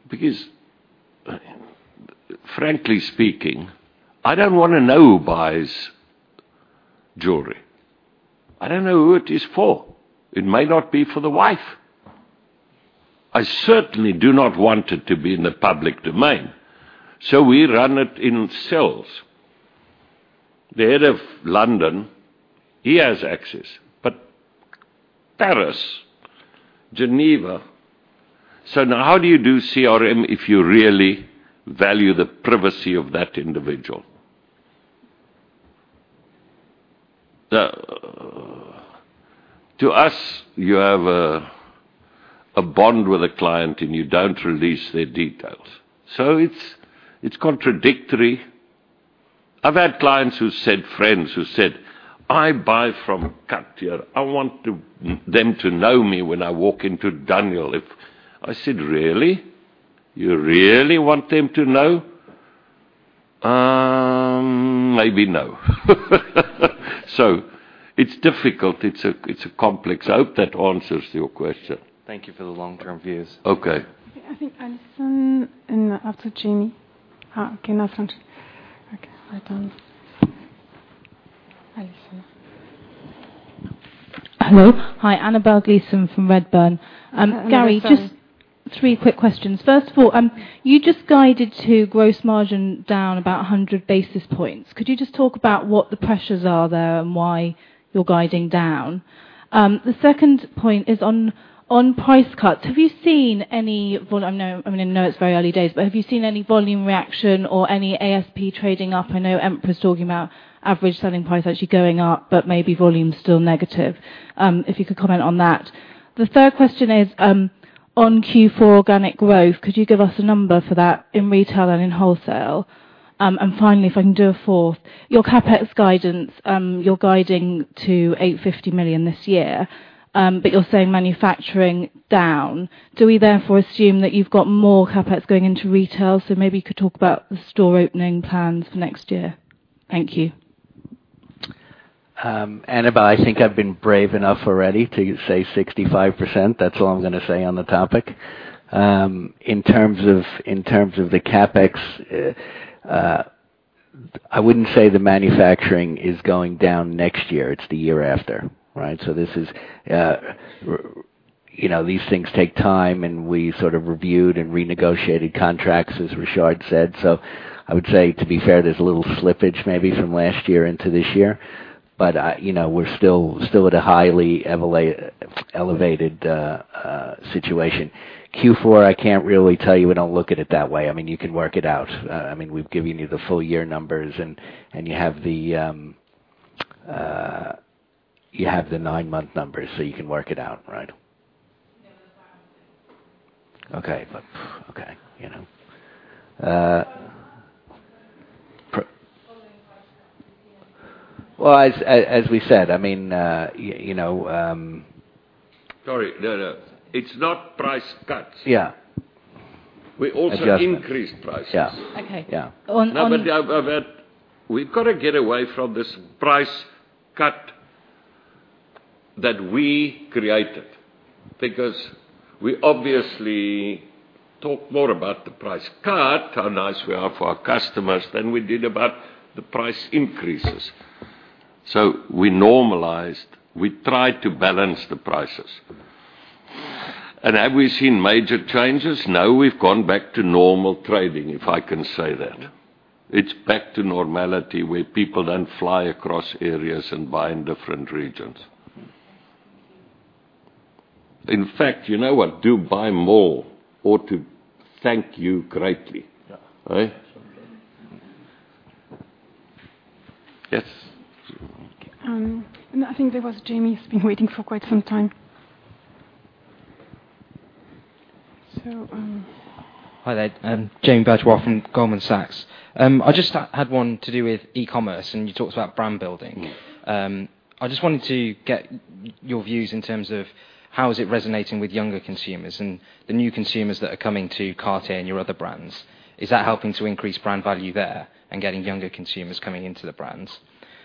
Speaker 6: Because frankly speaking, I don't want to know who buys jewelry. I don't know who it is for. It may not be for the wife. I certainly do not want it to be in the public domain. We run it in cells. The head of London, he has access, but Paris, Geneva. How do you do CRM if you really value the privacy of that individual? To us, you have a bond with a client and you don't release their details. It's contradictory. I've had clients who said, friends who said, "I buy from Cartier. I want them to know me when I walk into Daniel if" I said, "Really? You really want them to know?" Maybe no. It's difficult. It's complex. I hope that answers your question.
Speaker 11: Thank you for the long-term views.
Speaker 6: Okay.
Speaker 1: I think Alison and after James. Now it's on. Right on. Alison.
Speaker 12: Hello. Hi, Annabel Gleeson from Redburn.
Speaker 1: Annabel, sorry. Gary, just three quick questions. First of all, you just guided to gross margin down about 100 basis points. Could you just talk about what the pressures are there and why you're guiding down? The second point is on price cuts. I know it's very early days, but have you seen any volume reaction or any ASP trading up? I know Hermès is talking about average selling price actually going up, but maybe volume's still negative. If you could comment on that. The third question is, on Q4 organic growth, could you give us a number for that in retail and in wholesale? Finally, if I can do a fourth, your CapEx guidance, you're guiding to 850 million this year. You're saying manufacturing down. Do we therefore assume that you've got more CapEx going into retail?
Speaker 12: Maybe you could talk about the store opening plans for next year. Thank you.
Speaker 4: Annabel, I think I've been brave enough already to say 65%. That's all I'm going to say on the topic. In terms of the CapEx, I wouldn't say the manufacturing is going down next year. It's the year after. Right? These things take time, and we sort of reviewed and renegotiated contracts, as Richard said. I would say, to be fair, there's a little slippage maybe from last year into this year. We're still at a highly elevated situation. Q4, I can't really tell you. We don't look at it that way. You can work it out. We've given you the full year numbers, and you have the nine-month numbers, so you can work it out, right?
Speaker 1: Yeah, that's why I was saying.
Speaker 4: Okay. Okay. As we said.
Speaker 6: Sorry. No. It's not price cuts.
Speaker 4: Yeah.
Speaker 6: We also-
Speaker 4: Adjustments
Speaker 6: increased prices.
Speaker 12: Yeah. Okay. Yeah. On-
Speaker 6: We've got to get away from this price cut that we created. We obviously talk more about the price cut, how nice we are for our customers, than we did about the price increases. We normalized, we tried to balance the prices. Have we seen major changes? No. We've gone back to normal trading, if I can say that. It's back to normality where people don't fly across areas and buy in different regions. In fact, you know what? Dubai Mall ought to thank you greatly.
Speaker 1: Yeah. Right? Yes. I think there was James, he's been waiting for quite some time.
Speaker 13: Hi there. Jaina Bajwa from Goldman Sachs. I just had one to do with e-commerce, and you talked about brand building. I just wanted to get your views in terms of how is it resonating with younger consumers and the new consumers that are coming to Cartier and your other brands. Is that helping to increase brand value there and getting younger consumers coming into the brands?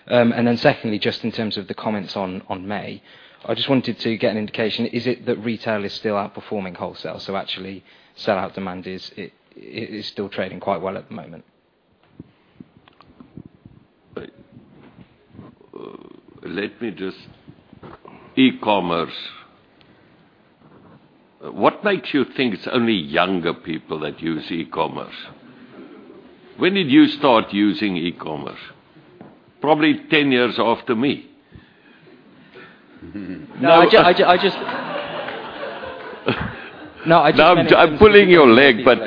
Speaker 13: Secondly, just in terms of the comments on May, I just wanted to get an indication. Is it that retail is still outperforming wholesale? Actually, sellout demand is still trading quite well at the moment.
Speaker 6: Let me just E-commerce. What makes you think it's only younger people that use e-commerce? When did you start using e-commerce? Probably 10 years after me.
Speaker 13: No, I just-
Speaker 6: I'm pulling your leg, but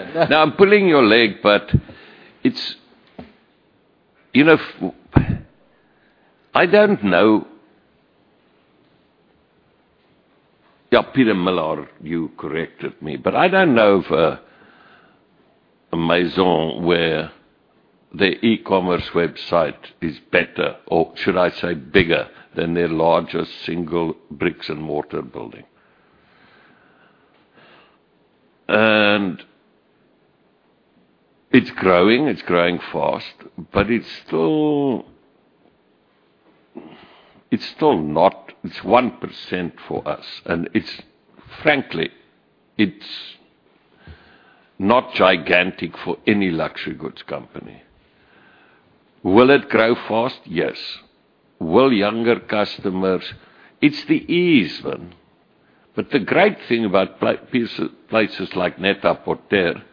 Speaker 6: I don't know. Peter Millar, you corrected me, but I don't know of a Maison where their e-commerce website is better, or should I say bigger, than their largest single bricks and mortar building. It's growing fast, but it's still not. It's 1% for us, frankly, it's not gigantic for any luxury goods company. Will it grow fast? Yes. Will younger customers? It's the ease then. The great thing about places like Net-a-Porter,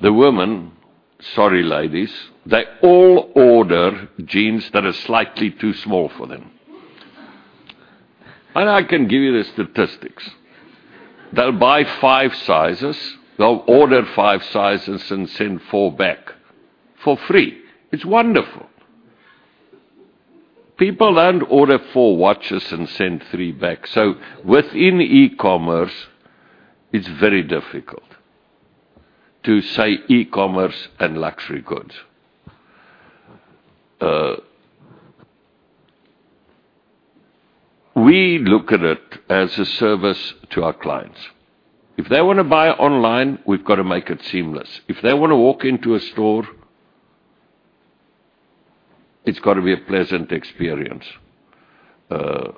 Speaker 6: the women, sorry, ladies, they all order jeans that are slightly too small for them. I can give you the statistics. They'll buy five sizes, they'll order five sizes and send four back for free. It's wonderful. People don't order four watches and send three back. Within e-commerce, it's very difficult to say e-commerce and luxury goods. We look at it as a service to our clients. If they want to buy online, we've got to make it seamless. If they want to walk into a store, it's got to be a pleasant experience. The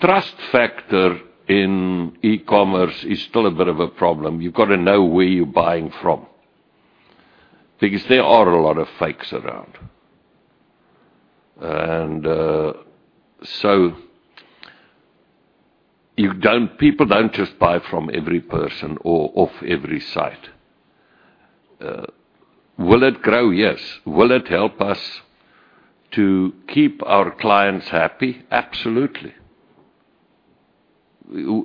Speaker 6: trust factor in e-commerce is still a bit of a problem. You've got to know where you're buying from. There are a lot of fakes around. People don't just buy from every person or off every site. Will it grow? Yes. Will it help us to keep our clients happy? Absolutely. You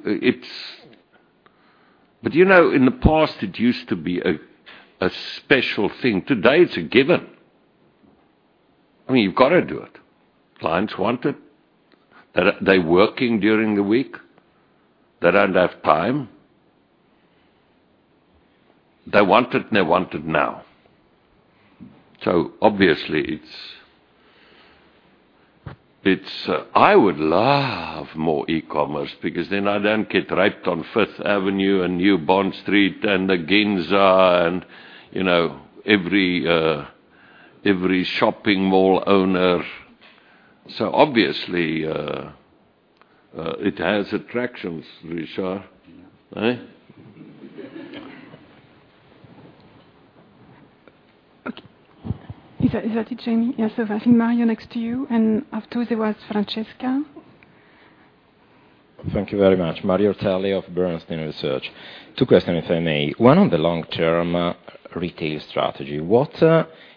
Speaker 6: know, in the past, it used to be a special thing. Today, it's a given. I mean, you've got to do it. Clients want it. They're working during the week. They don't have time. They want it, and they want it now. Obviously, I would love more e-commerce because then I don't get ripped on Fifth Avenue and New Bond Street and the Ginza and every shopping mall owner. Obviously, it has attractions, Richard. Huh.
Speaker 1: Okay. Is that it, Jamie? Yes. I think Mario next to you, and after there was Francesca.
Speaker 14: Thank you very much. Mario Ortelli of Bernstein Research. Two questions, if I may. One on the long-term retail strategy. What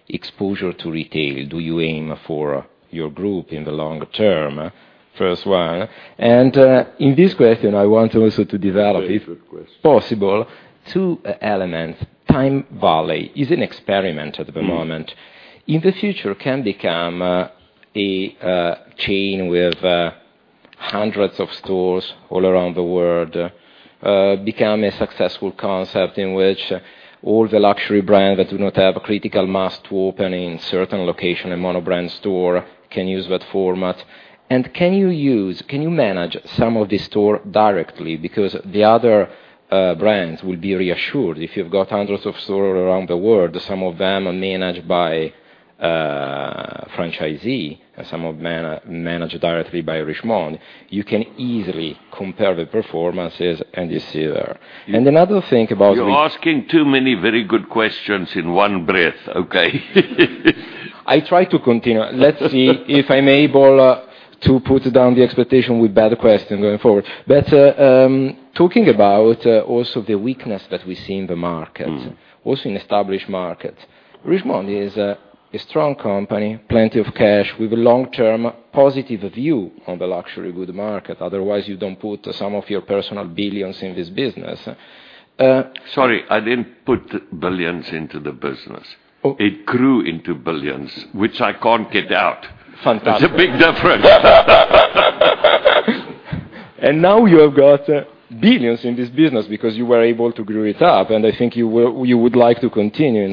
Speaker 14: exposure to retail do you aim for your group in the long term? First one. In this question, I want also to develop.
Speaker 6: Very good question.
Speaker 14: If possible, two elements. TimeValley is an experiment at the moment. In the future, can become a chain with hundreds of stores all around the world, become a successful concept in which all the luxury brands that do not have a critical mass to open in certain location, a mono-brand store can use that format. Can you manage some of the store directly? Because the other brands will be reassured if you've got hundreds of stores around the world, some of them are managed by franchisee, some are managed directly by Richemont. You can easily compare the performances, and you see there. Another thing about.
Speaker 6: You're asking too many very good questions in one breath. Okay.
Speaker 14: I try to continue. Let's see if I'm able to put down the expectation with better question going forward. Talking about also the weakness that we see in the market. Also in established market. Richemont is a strong company, plenty of cash with a long-term positive view on the luxury goods market. Otherwise, you don't put some of your personal billions in this business.
Speaker 6: Sorry, I didn't put billions into the business.
Speaker 14: Oh.
Speaker 6: It grew into billions, which I can't get out.
Speaker 14: Fantastic.
Speaker 6: It's a big difference.
Speaker 14: Now you have got billions in this business because you were able to grow it up, and I think you would like to continue.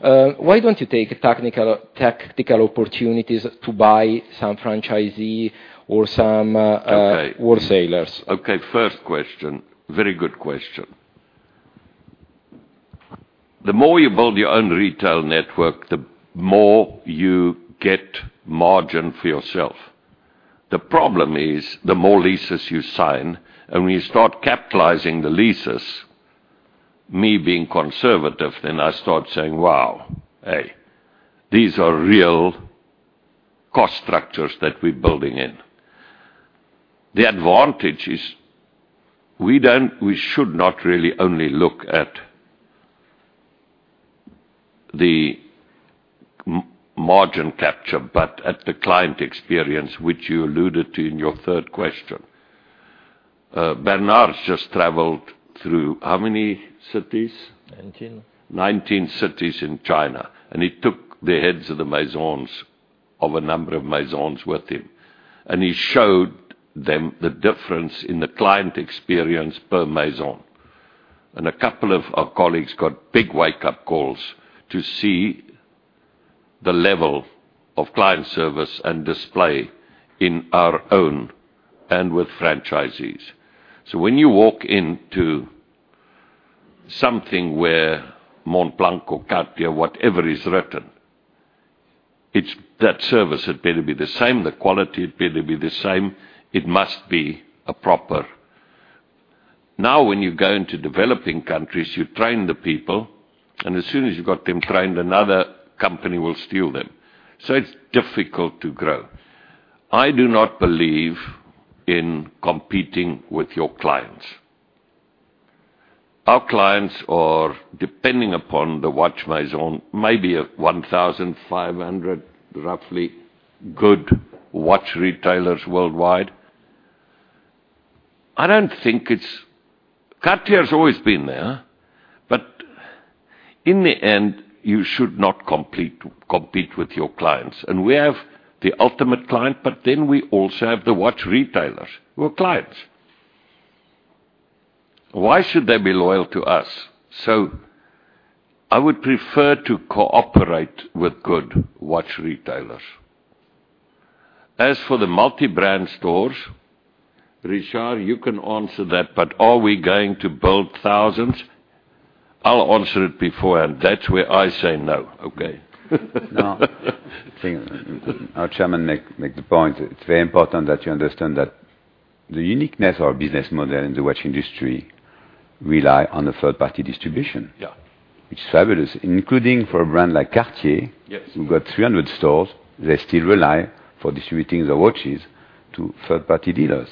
Speaker 14: Why don't you take tactical opportunities to buy some franchisee or some?
Speaker 6: Okay
Speaker 14: wholesalers?
Speaker 6: Okay. First question, very good question. The more you build your own retail network, the more you get margin for yourself. The problem is, the more leases you sign, and when you start capitalizing the leases, me being conservative, then I start saying, "Wow. Hey, these are real cost structures that we're building in." The advantage is we should not really only look at the margin capture but at the client experience, which you alluded to in your third question. Bernard just traveled through how many cities?
Speaker 2: 19.
Speaker 6: 19 cities in China. He took the heads of the Maisons, of a number of Maisons with him. He showed them the difference in the client experience per Maison. A couple of our colleagues got big wake-up calls to see the level of client service and display in our own and with franchisees. When you walk into something where Montblanc or Cartier, whatever is written, that service had better be the same, the quality had better be the same. It must be proper. When you go into developing countries, you train the people, and as soon as you got them trained, another company will steal them. It's difficult to grow. I do not believe in competing with your clients. Our clients are, depending upon the watch Maison, maybe 1,500, roughly, good watch retailers worldwide. I don't think it's Cartier's always been there. In the end, you should not compete with your clients. We have the ultimate client, but then we also have the watch retailers, who are clients. Why should they be loyal to us? I would prefer to cooperate with good watch retailers. As for the multi-brand stores, Richard, you can answer that. Are we going to build thousands? I'll answer it beforehand. That's where I say no. Okay.
Speaker 2: No. I think our chairman make the point. It's very important that you understand that the uniqueness of our business model in the watch industry rely on the third-party distribution-
Speaker 6: Yeah
Speaker 2: which is fabulous, including for a brand like Cartier-
Speaker 6: Yes
Speaker 2: who got 300 stores. They still rely for distributing the watches to third-party dealers.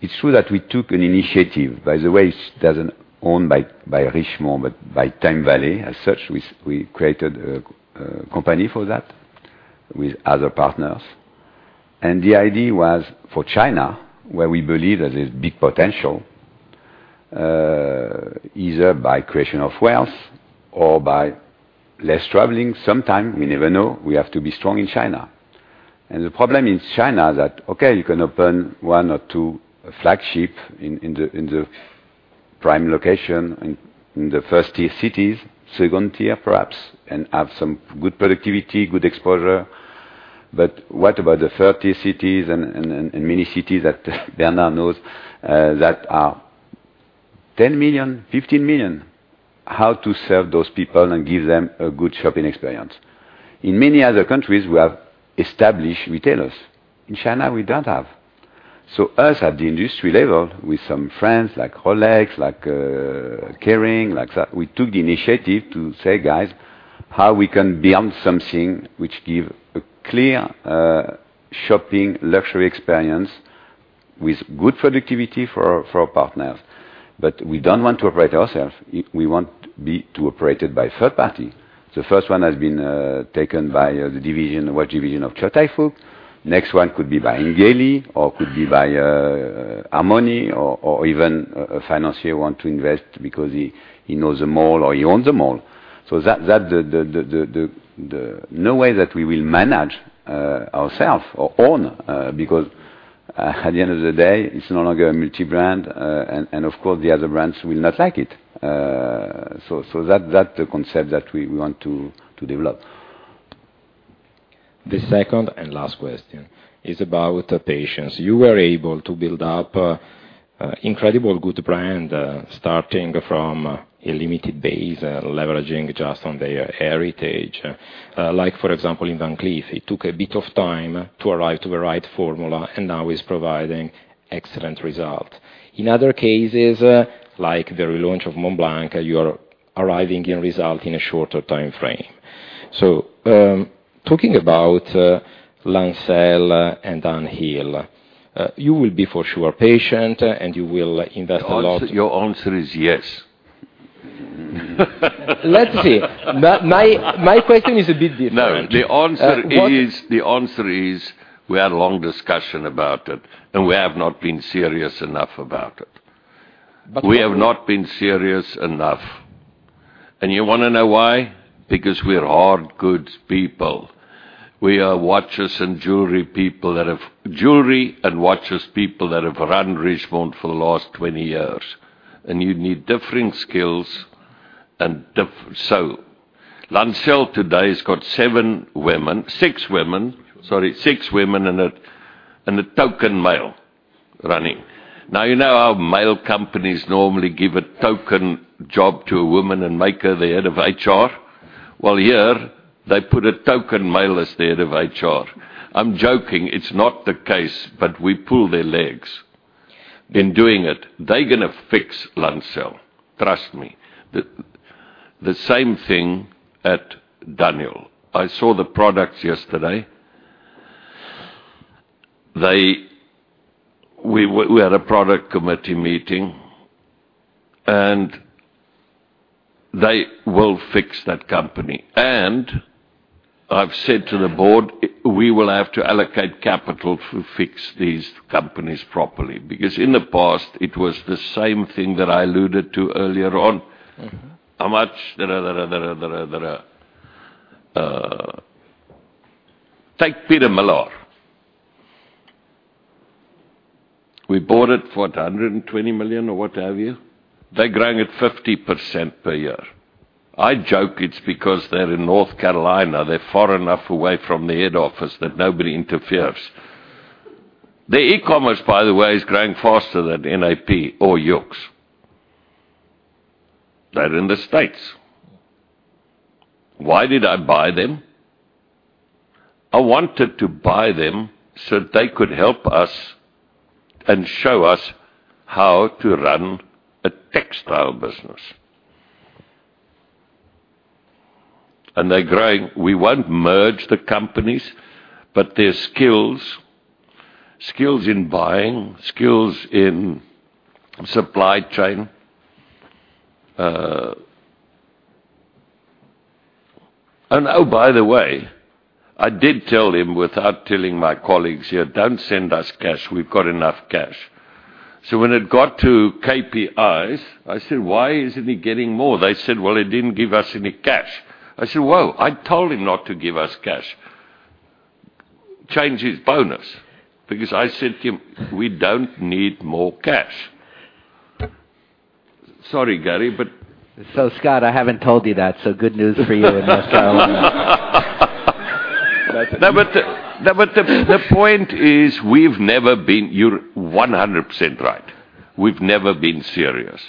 Speaker 2: It's true that we took an initiative. By the way, it isn't owned by Richemont, but by TimeValley. As such, we created a company for that with other partners. The idea was for China, where we believe there's a big potential, either by creation of wealth or by less traveling. Sometimes, we never know, we have to be strong in China. The problem in China that, okay, you can open one or two flagships in the prime location, in the first tier cities, second tier perhaps, and have some good productivity, good exposure. But what about the third tier cities and many cities that Bernard knows, that are 10 million, 15 million? How to serve those people and give them a good shopping experience? In many other countries, we have established retailers. In China, we don't have. Us at the industry level, with some friends like Rolex, like Kering, like that, we took the initiative to say, "Guys, how we can build something which gives a clear shopping luxury experience with good productivity for our partners?" But we don't want to operate ourselves. We want to be operated by third party. The first one has been taken by the division, watch division of Taikoo. Next one could be by Ingeli or could be by Armani or even a financier wants to invest because he knows the mall or he owns the mall. That the no way that we will manage ourselves or own, because at the end of the day, it's no longer a multi-brand. Of course, the other brands will not like it. That's the concept that we want to develop.
Speaker 14: The second and last question is about patience. You were able to build up an incredible good brand, starting from a limited base, leveraging just on the heritage. Like for example, in Van Cleef, it took a bit of time to arrive to the right formula, and now is providing excellent result. In other cases, like the relaunch of Montblanc, you are arriving in result in a shorter timeframe. Talking about Lancel and Dunhill, you will be for sure patient, and you will invest a lot-
Speaker 6: Your answer is yes.
Speaker 14: Let's see. My question is a bit different.
Speaker 6: No, the answer is we had a long discussion about it. We have not been serious enough about it.
Speaker 14: But-
Speaker 6: We have not been serious enough. You want to know why? Because we're hard goods people. We are watches and jewelry people that have run Richemont for the last 20 years. You need differing skills. Lancel today has got seven women, six women. Sorry, six women and a token male running. Now, you know how male companies normally give a token job to a woman and make her the head of HR? Well, here, they put a token male as the head of HR. I'm joking. It's not the case. We pull their legs. In doing it, they gonna fix Lancel. Trust me. The same thing at Dunhill. I saw the products yesterday. We had a product committee meeting. They will fix that company. I've said to the board, we will have to allocate capital to fix these companies properly. Because in the past, it was the same thing that I alluded to earlier on. How much. Take Peter Millar. We bought it for 120 million or what have you. They're growing at 50% per year. I joke it's because they're in North Carolina, they're far enough away from the head office that nobody interferes. Their e-commerce, by the way, is growing faster than Net-a-Porter or YOOX. They're in the U.S. Why did I buy them? I wanted to buy them so they could help us and show us how to run a textile business. They're growing. We won't merge the companies, but their skills in buying, skills in supply chain, and, oh, by the way, I did tell him without telling my colleagues here, "Don't send us cash. We've got enough cash." When it got to KPIs, I said, "Why isn't he getting more?" They said, "Well, he didn't give us any cash." I said, "Whoa, I told him not to give us cash." Change his bonus, because I said to him, "We don't need more cash." Sorry, Gary.
Speaker 4: Scott, I haven't told you that, so good news for you in North Carolina.
Speaker 6: The point is, You're 100% right. We've never been serious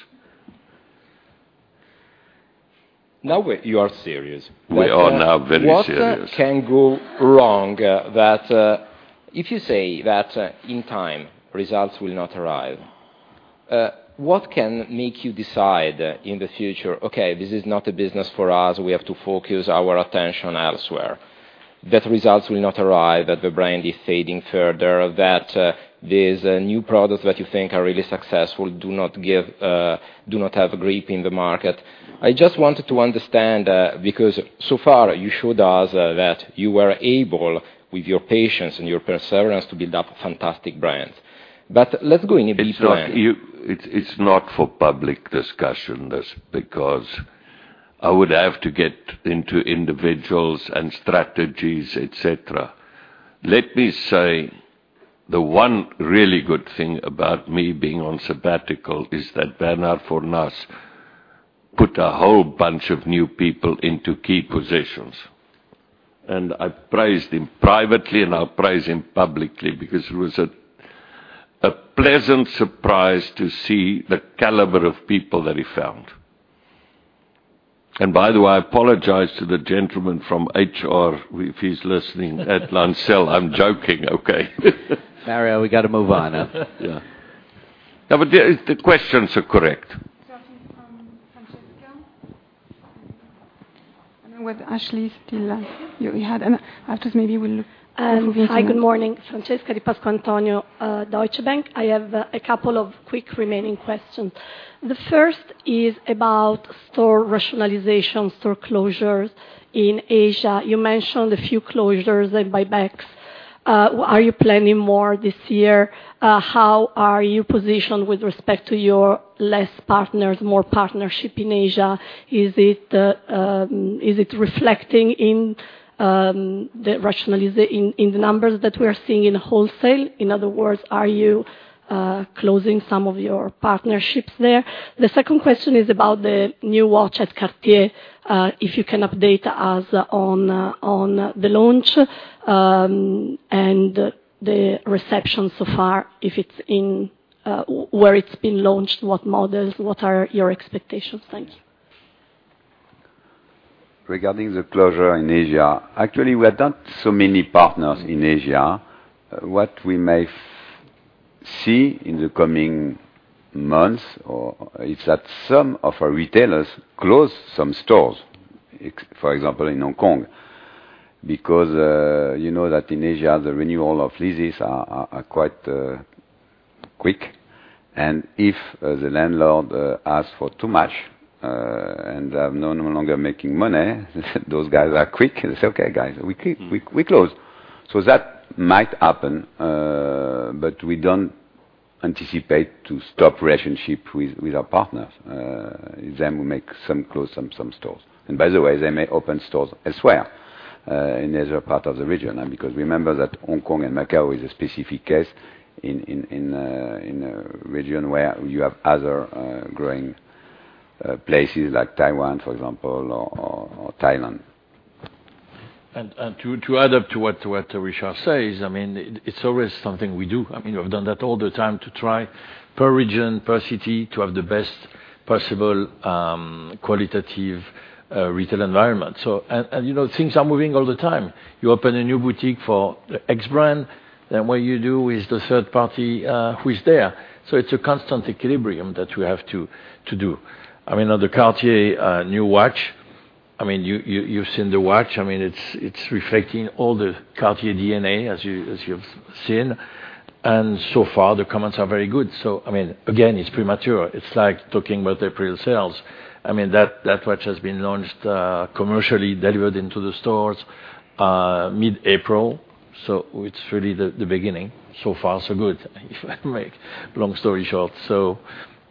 Speaker 14: Now you are serious.
Speaker 6: We are now very serious.
Speaker 14: What can go wrong that, if you say that in time results will not arrive, what can make you decide in the future, "Okay, this is not a business for us. We have to focus our attention elsewhere." That results will not arrive, that the brand is fading further, that these new products that you think are really successful do not have a grip in the market. I just wanted to understand, because so far you showed us that you were able, with your patience and your perseverance, to build up fantastic brands. Let's go in a bit more.
Speaker 6: It's not for public discussion because I would have to get into individuals and strategies, et cetera. Let me say the one really good thing about me being on sabbatical is that Bernard Fornas put a whole bunch of new people into key positions. I've praised him privately and I'll praise him publicly because it was a pleasant surprise to see the caliber of people that he found. By the way, I apologize to the gentleman from HR if he's listening at Lancel. I'm joking, okay?
Speaker 4: Mario, we got to move on.
Speaker 6: Yeah. No, the questions are correct.
Speaker 1: Francesca. I don't know whether Ashley is still.
Speaker 15: Hi, good morning. Francesca Di Pasquantonio, Deutsche Bank. I have a couple of quick remaining questions. The first is about store rationalization, store closures in Asia. You mentioned a few closures and buybacks. Are you planning more this year? How are you positioned with respect to your less partners, more partnership in Asia? Is it reflecting in the numbers that we are seeing in wholesale? In other words, are you closing some of your partnerships there? The second question is about the new watch at Cartier, if you can update us on the launch, and the reception so far, where it's been launched, what models, what are your expectations? Thank you.
Speaker 2: Regarding the closure in Asia, actually, we have not so many partners in Asia. What we may see in the coming months is that some of our retailers close some stores, for example, in Hong Kong, because you know that in Asia, the renewal of leases are quite quick. If the landlord asks for too much and they are no longer making money, those guys are quick. They say, "Okay, guys, we close." That might happen, but we don't anticipate to stop relationship with our partners. They will close some stores. By the way, they may open stores elsewhere, in other parts of the region. Remember that Hong Kong and Macau is a specific case in a region where you have other growing places like Taiwan, for example, or Thailand.
Speaker 3: To add up to what Richard says, it's always something we do. We've done that all the time to try per region, per city, to have the best possible qualitative retail environment. Things are moving all the time. You open a new boutique for X brand, then what you do is the third party who is there. It's a constant equilibrium that we have to do. On the Cartier new watch, you've seen the watch. It's reflecting all the Cartier DNA as you've seen. So far the comments are very good. Again, it's premature. It's like talking about the April sales. That watch has been launched commercially, delivered into the stores mid-April. It's really the beginning. So far so good, if I make long story short.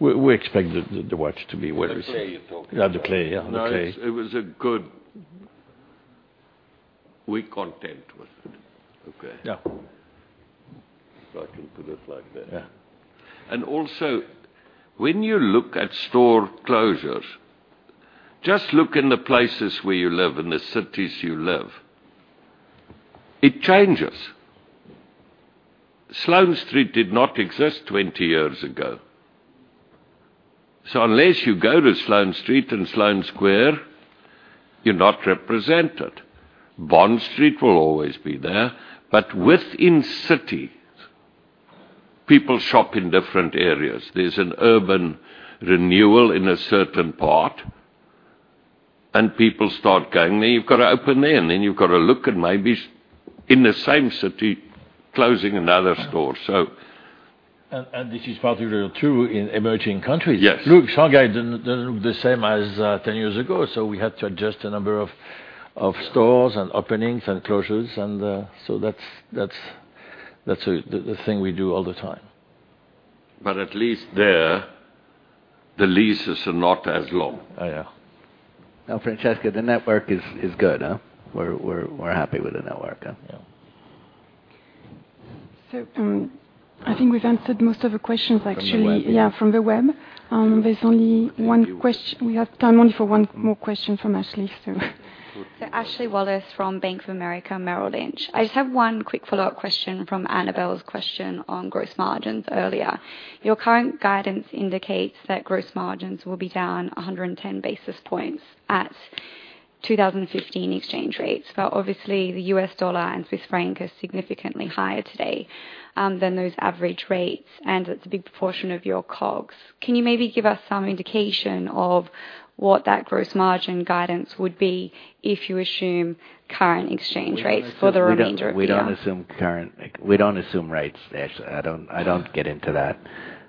Speaker 3: We expect the watch to be what it is.
Speaker 6: The Clé you're talking about.
Speaker 3: The Clé, yeah. The Clé.
Speaker 6: It was a good We're content with it. Okay.
Speaker 3: Yeah.
Speaker 6: If I can put it like that.
Speaker 3: Yeah.
Speaker 6: Also, when you look at store closures, just look in the places where you live, in the cities you live. It changes. Sloane Street did not exist 20 years ago. Unless you go to Sloane Street and Sloane Square, you're not represented. Bond Street will always be there. Within cities, people shop in different areas. There's an urban renewal in a certain part, and people start going there. You've got to open there, and then you've got to look at maybe in the same city, closing another store.
Speaker 3: This is particularly true in emerging countries.
Speaker 6: Yes. Look, Shanghai doesn't look the same as 10 years ago, we had to adjust a number of stores and openings and closures, that's the thing we do all the time. At least there, the leases are not as long.
Speaker 3: Oh, yeah.
Speaker 4: Francesca, the network is good, huh? We're happy with the network, huh?
Speaker 3: Yeah.
Speaker 1: I think we've answered most of the questions, actually.
Speaker 4: From the web, yeah.
Speaker 1: From the web. There's only one question. We have time only for one more question from Ashley.
Speaker 16: Ashley Wallace from Bank of America Merrill Lynch. I just have one quick follow-up question from Annabelle's question on gross margins earlier. Your current guidance indicates that gross margins will be down 110 basis points at 2015 exchange rates. Obviously, the US dollar and Swiss franc are significantly higher today, than those average rates, and it's a big proportion of your COGS. Can you maybe give us some indication of what that gross margin guidance would be if you assume current exchange rates for the remainder of the year?
Speaker 4: We don't assume rates, Ash. I don't get into that.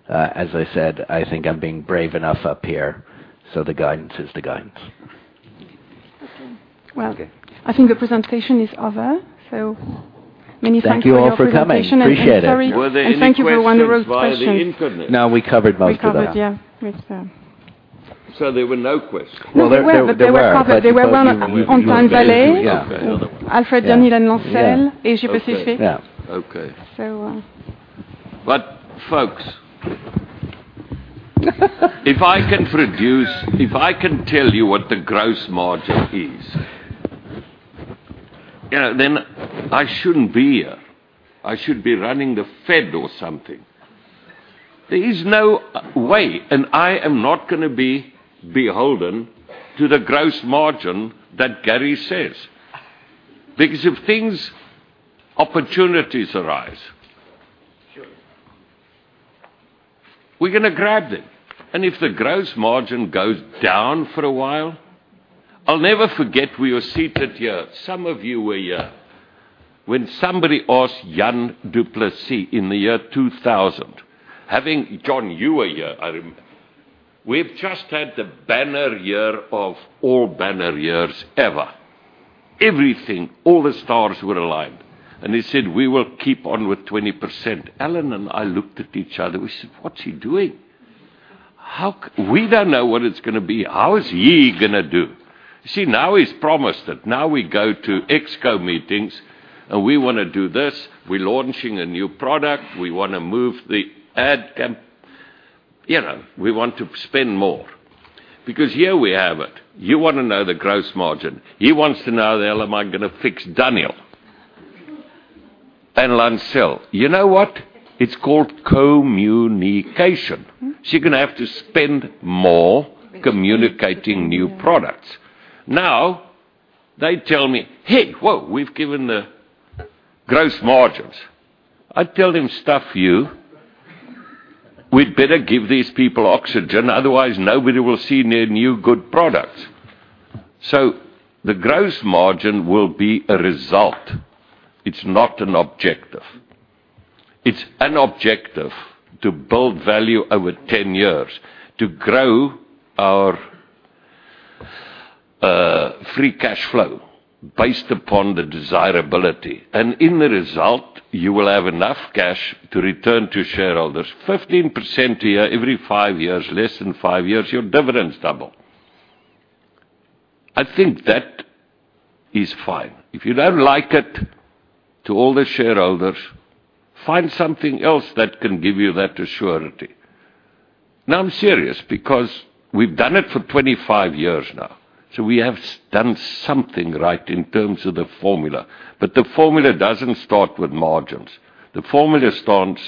Speaker 4: As I said, I think I'm being brave enough up here, so the guidance is the guidance.
Speaker 1: Okay.
Speaker 4: Okay.
Speaker 1: I think the presentation is over. Many thanks for your presentation.
Speaker 4: Thank you all for coming. Appreciate it.
Speaker 6: Were there any questions via the internet?
Speaker 4: No, we covered most of them.
Speaker 1: We covered, yeah.
Speaker 6: There were no questions.
Speaker 1: Well, there were. No, there were, but they were covered. They were from Antoine Vallet.
Speaker 4: Yeah.
Speaker 1: Okay. Alfred von Uellen Lancel. Yeah. J.P. Schiff. Yeah. Okay. So
Speaker 6: Folks if I can tell you what the gross margin is, then I shouldn't be here. I should be running The Fed or something. There is no way, I am not going to be beholden to the gross margin that Gary says. If things, opportunities arise.
Speaker 7: Sure
Speaker 6: We're going to grab them. If the gross margin goes down for a while, I'll never forget we were seated here. Some of you were here. When somebody asked Jan du Plessis in 2000, having, John, you were here, I remember. We've just had the banner year of all banner years ever. Everything, all the stars were aligned, and he said, "We will keep on with 20%." Allan and I looked at each other, we said, "What's he doing? We don't know what it's going to be. How is he going to do?" Now he's promised it. We go to ExCo meetings, we want to do this. We're launching a new product. We want to move the ad cam. We want to spend more because here we have it. You want to know the gross margin. He wants to know how the hell am I going to fix Dunhill and Lancel. You know what? It's called communication. You're going to have to spend more communicating new products. They tell me, "Hey, whoa, we've given the gross margins." I tell them, "Stuff you. We'd better give these people oxygen, otherwise nobody will see their new good products." The gross margin will be a result. It's not an objective. It's an objective to build value over 10 years, to grow our free cash flow based upon the desirability. In the result, you will have enough cash to return to shareholders. 15% a year, every five years, less than five years, your dividends double. I think that is fine. If you don't like it, to all the shareholders, find something else that can give you that surety. I'm serious because we've done it for 25 years now. We have done something right in terms of the formula. The formula doesn't start with margins. The formula starts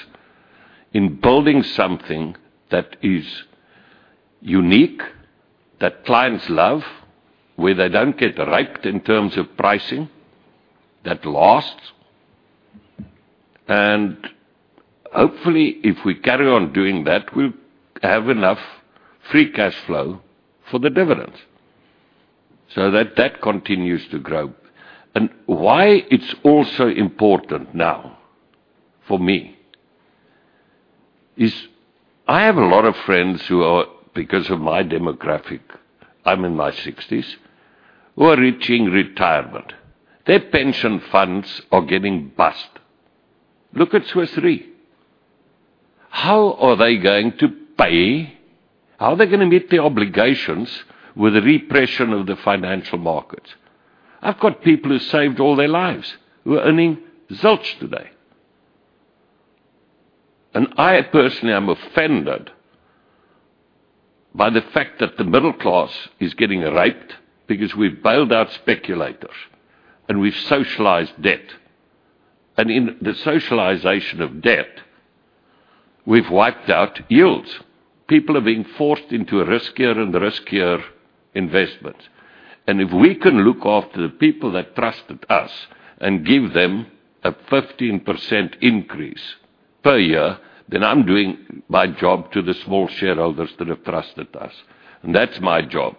Speaker 6: in building something that is unique, that clients love, where they don't get ripped in terms of pricing, that lasts. Hopefully, if we carry on doing that, we'll have enough free cash flow for the dividends. That continues to grow. Why it's also important now for me is I have a lot of friends who are, because of my demographic, I'm in my 60s, who are reaching retirement. Their pension funds are getting bust. Look at Swiss Re. How are they going to pay? How are they going to meet their obligations with the repression of the financial markets? I've got people who saved all their lives who are earning zilch today. I personally am offended by the fact that the middle class is getting raped because we've bailed out speculators, and we've socialized debt. In the socialization of debt, we've wiped out yields. People are being forced into riskier and riskier investments. If we can look after the people that trusted us and give them a 15% increase per year, then I'm doing my job to the small shareholders that have trusted us. That's my job.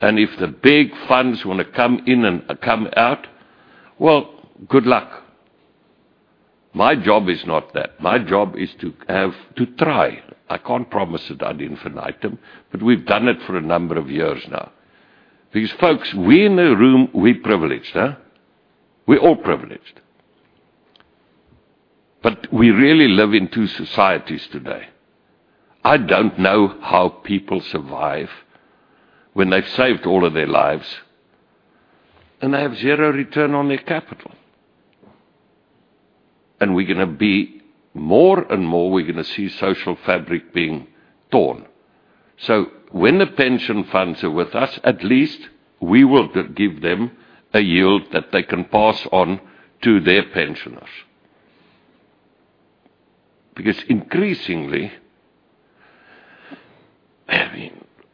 Speaker 6: If the big funds want to come in and come out, well, good luck. My job is not that. My job is to try. I can't promise it ad infinitum, but we've done it for a number of years now. Folks, we in the room, we're privileged, huh? We're all privileged. We really live in two societies today. I don't know how people survive when they've saved all of their lives, and they have zero return on their capital. We're going to be more and more, we're going to see social fabric being torn. When the pension funds are with us, at least we will give them a yield that they can pass on to their pensioners. Increasingly,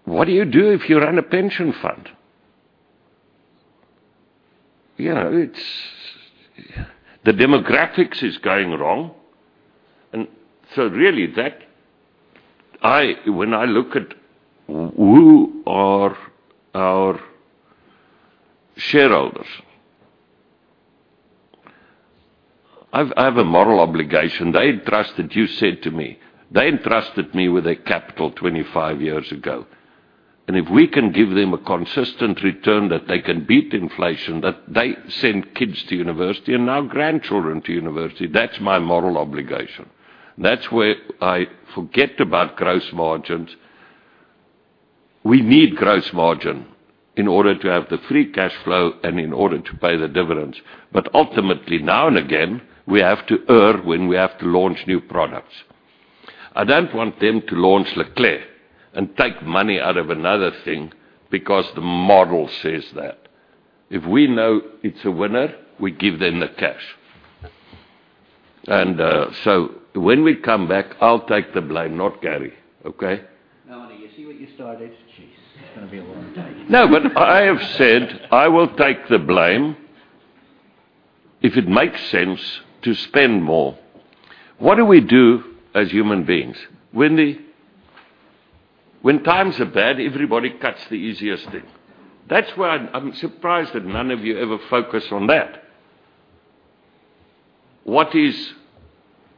Speaker 6: what do you do if you run a pension fund? The demographics is going wrong. When I look at who are our shareholders, I have a moral obligation. They trusted you said to me. They entrusted me with their capital 25 years ago. If we can give them a consistent return that they can beat inflation, that they send kids to university and now grandchildren to university, that's my moral obligation. That's where I forget about gross margins. We need gross margin in order to have the free cash flow and in order to pay the dividends. Ultimately, now and again, we have to earn when we have to launch new products. I don't want them to launch Le Clerc and take money out of another thing because the model says that. If we know it's a winner, we give them the cash. When we come back, I'll take the blame, not Gary. Okay?
Speaker 4: Mélanie, you see what you started? Jeez. It's going to be a long day.
Speaker 6: I have said I will take the blame if it makes sense to spend more. What do we do as human beings? When times are bad, everybody cuts the easiest thing. That's why I'm surprised that none of you ever focus on that. What is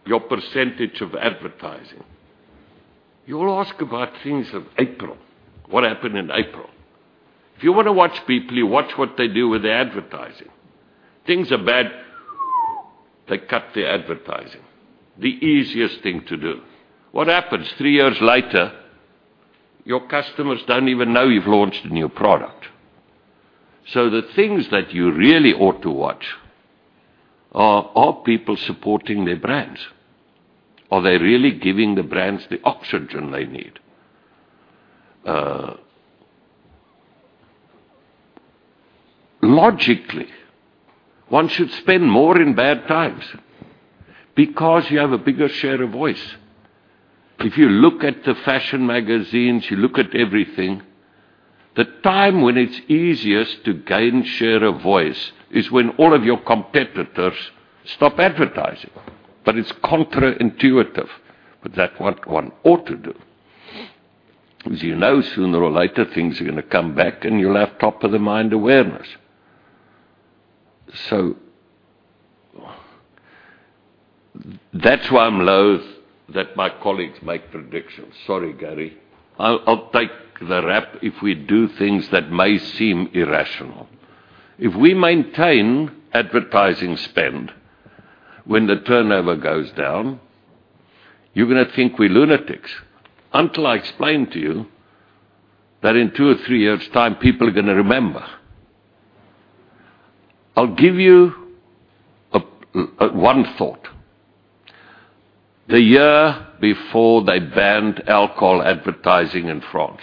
Speaker 6: your % of advertising? You all ask about things of April, what happened in April. If you want to watch people, you watch what they do with their advertising. Things are bad, they cut their advertising. The easiest thing to do. What happens 3 years later, your customers don't even know you've launched a new product. The things that you really ought to watch are people supporting their brands? Are they really giving the brands the oxygen they need? Logically, one should spend more in bad times because you have a bigger share of voice. If you look at the fashion magazines, you look at everything, the time when it's easiest to gain share of voice is when all of your competitors stop advertising. It's counterintuitive. That's what one ought to do. You know sooner or later, things are going to come back and you'll have top-of-the-mind awareness. That's why I'm loathe that my colleagues make predictions. Sorry, Gary. I'll take the rap if we do things that may seem irrational. If we maintain advertising spend when the turnover goes down, you're going to think we're lunatics until I explain to you that in 2 or 3 years' time, people are going to remember. I'll give you 1 thought. The year before they banned alcohol advertising in France,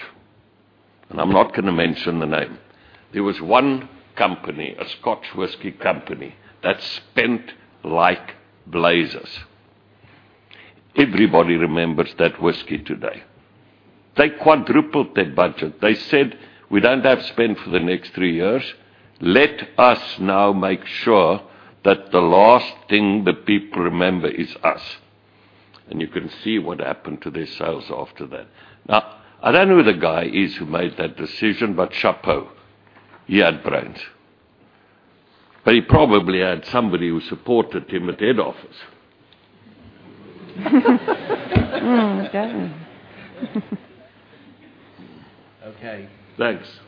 Speaker 6: and I'm not going to mention the name. There was 1 company, a Scotch whiskey company, that spent like blazers. Everybody remembers that whiskey today. They quadrupled their budget. They said, "We don't have to spend for the next 3 years. Let us now make sure that the last thing that people remember is us." You can see what happened to their sales after that. I don't know who the guy is who made that decision, chapeau. He had brains. He probably had somebody who supported him at head office.
Speaker 7: Okay.
Speaker 6: Thanks.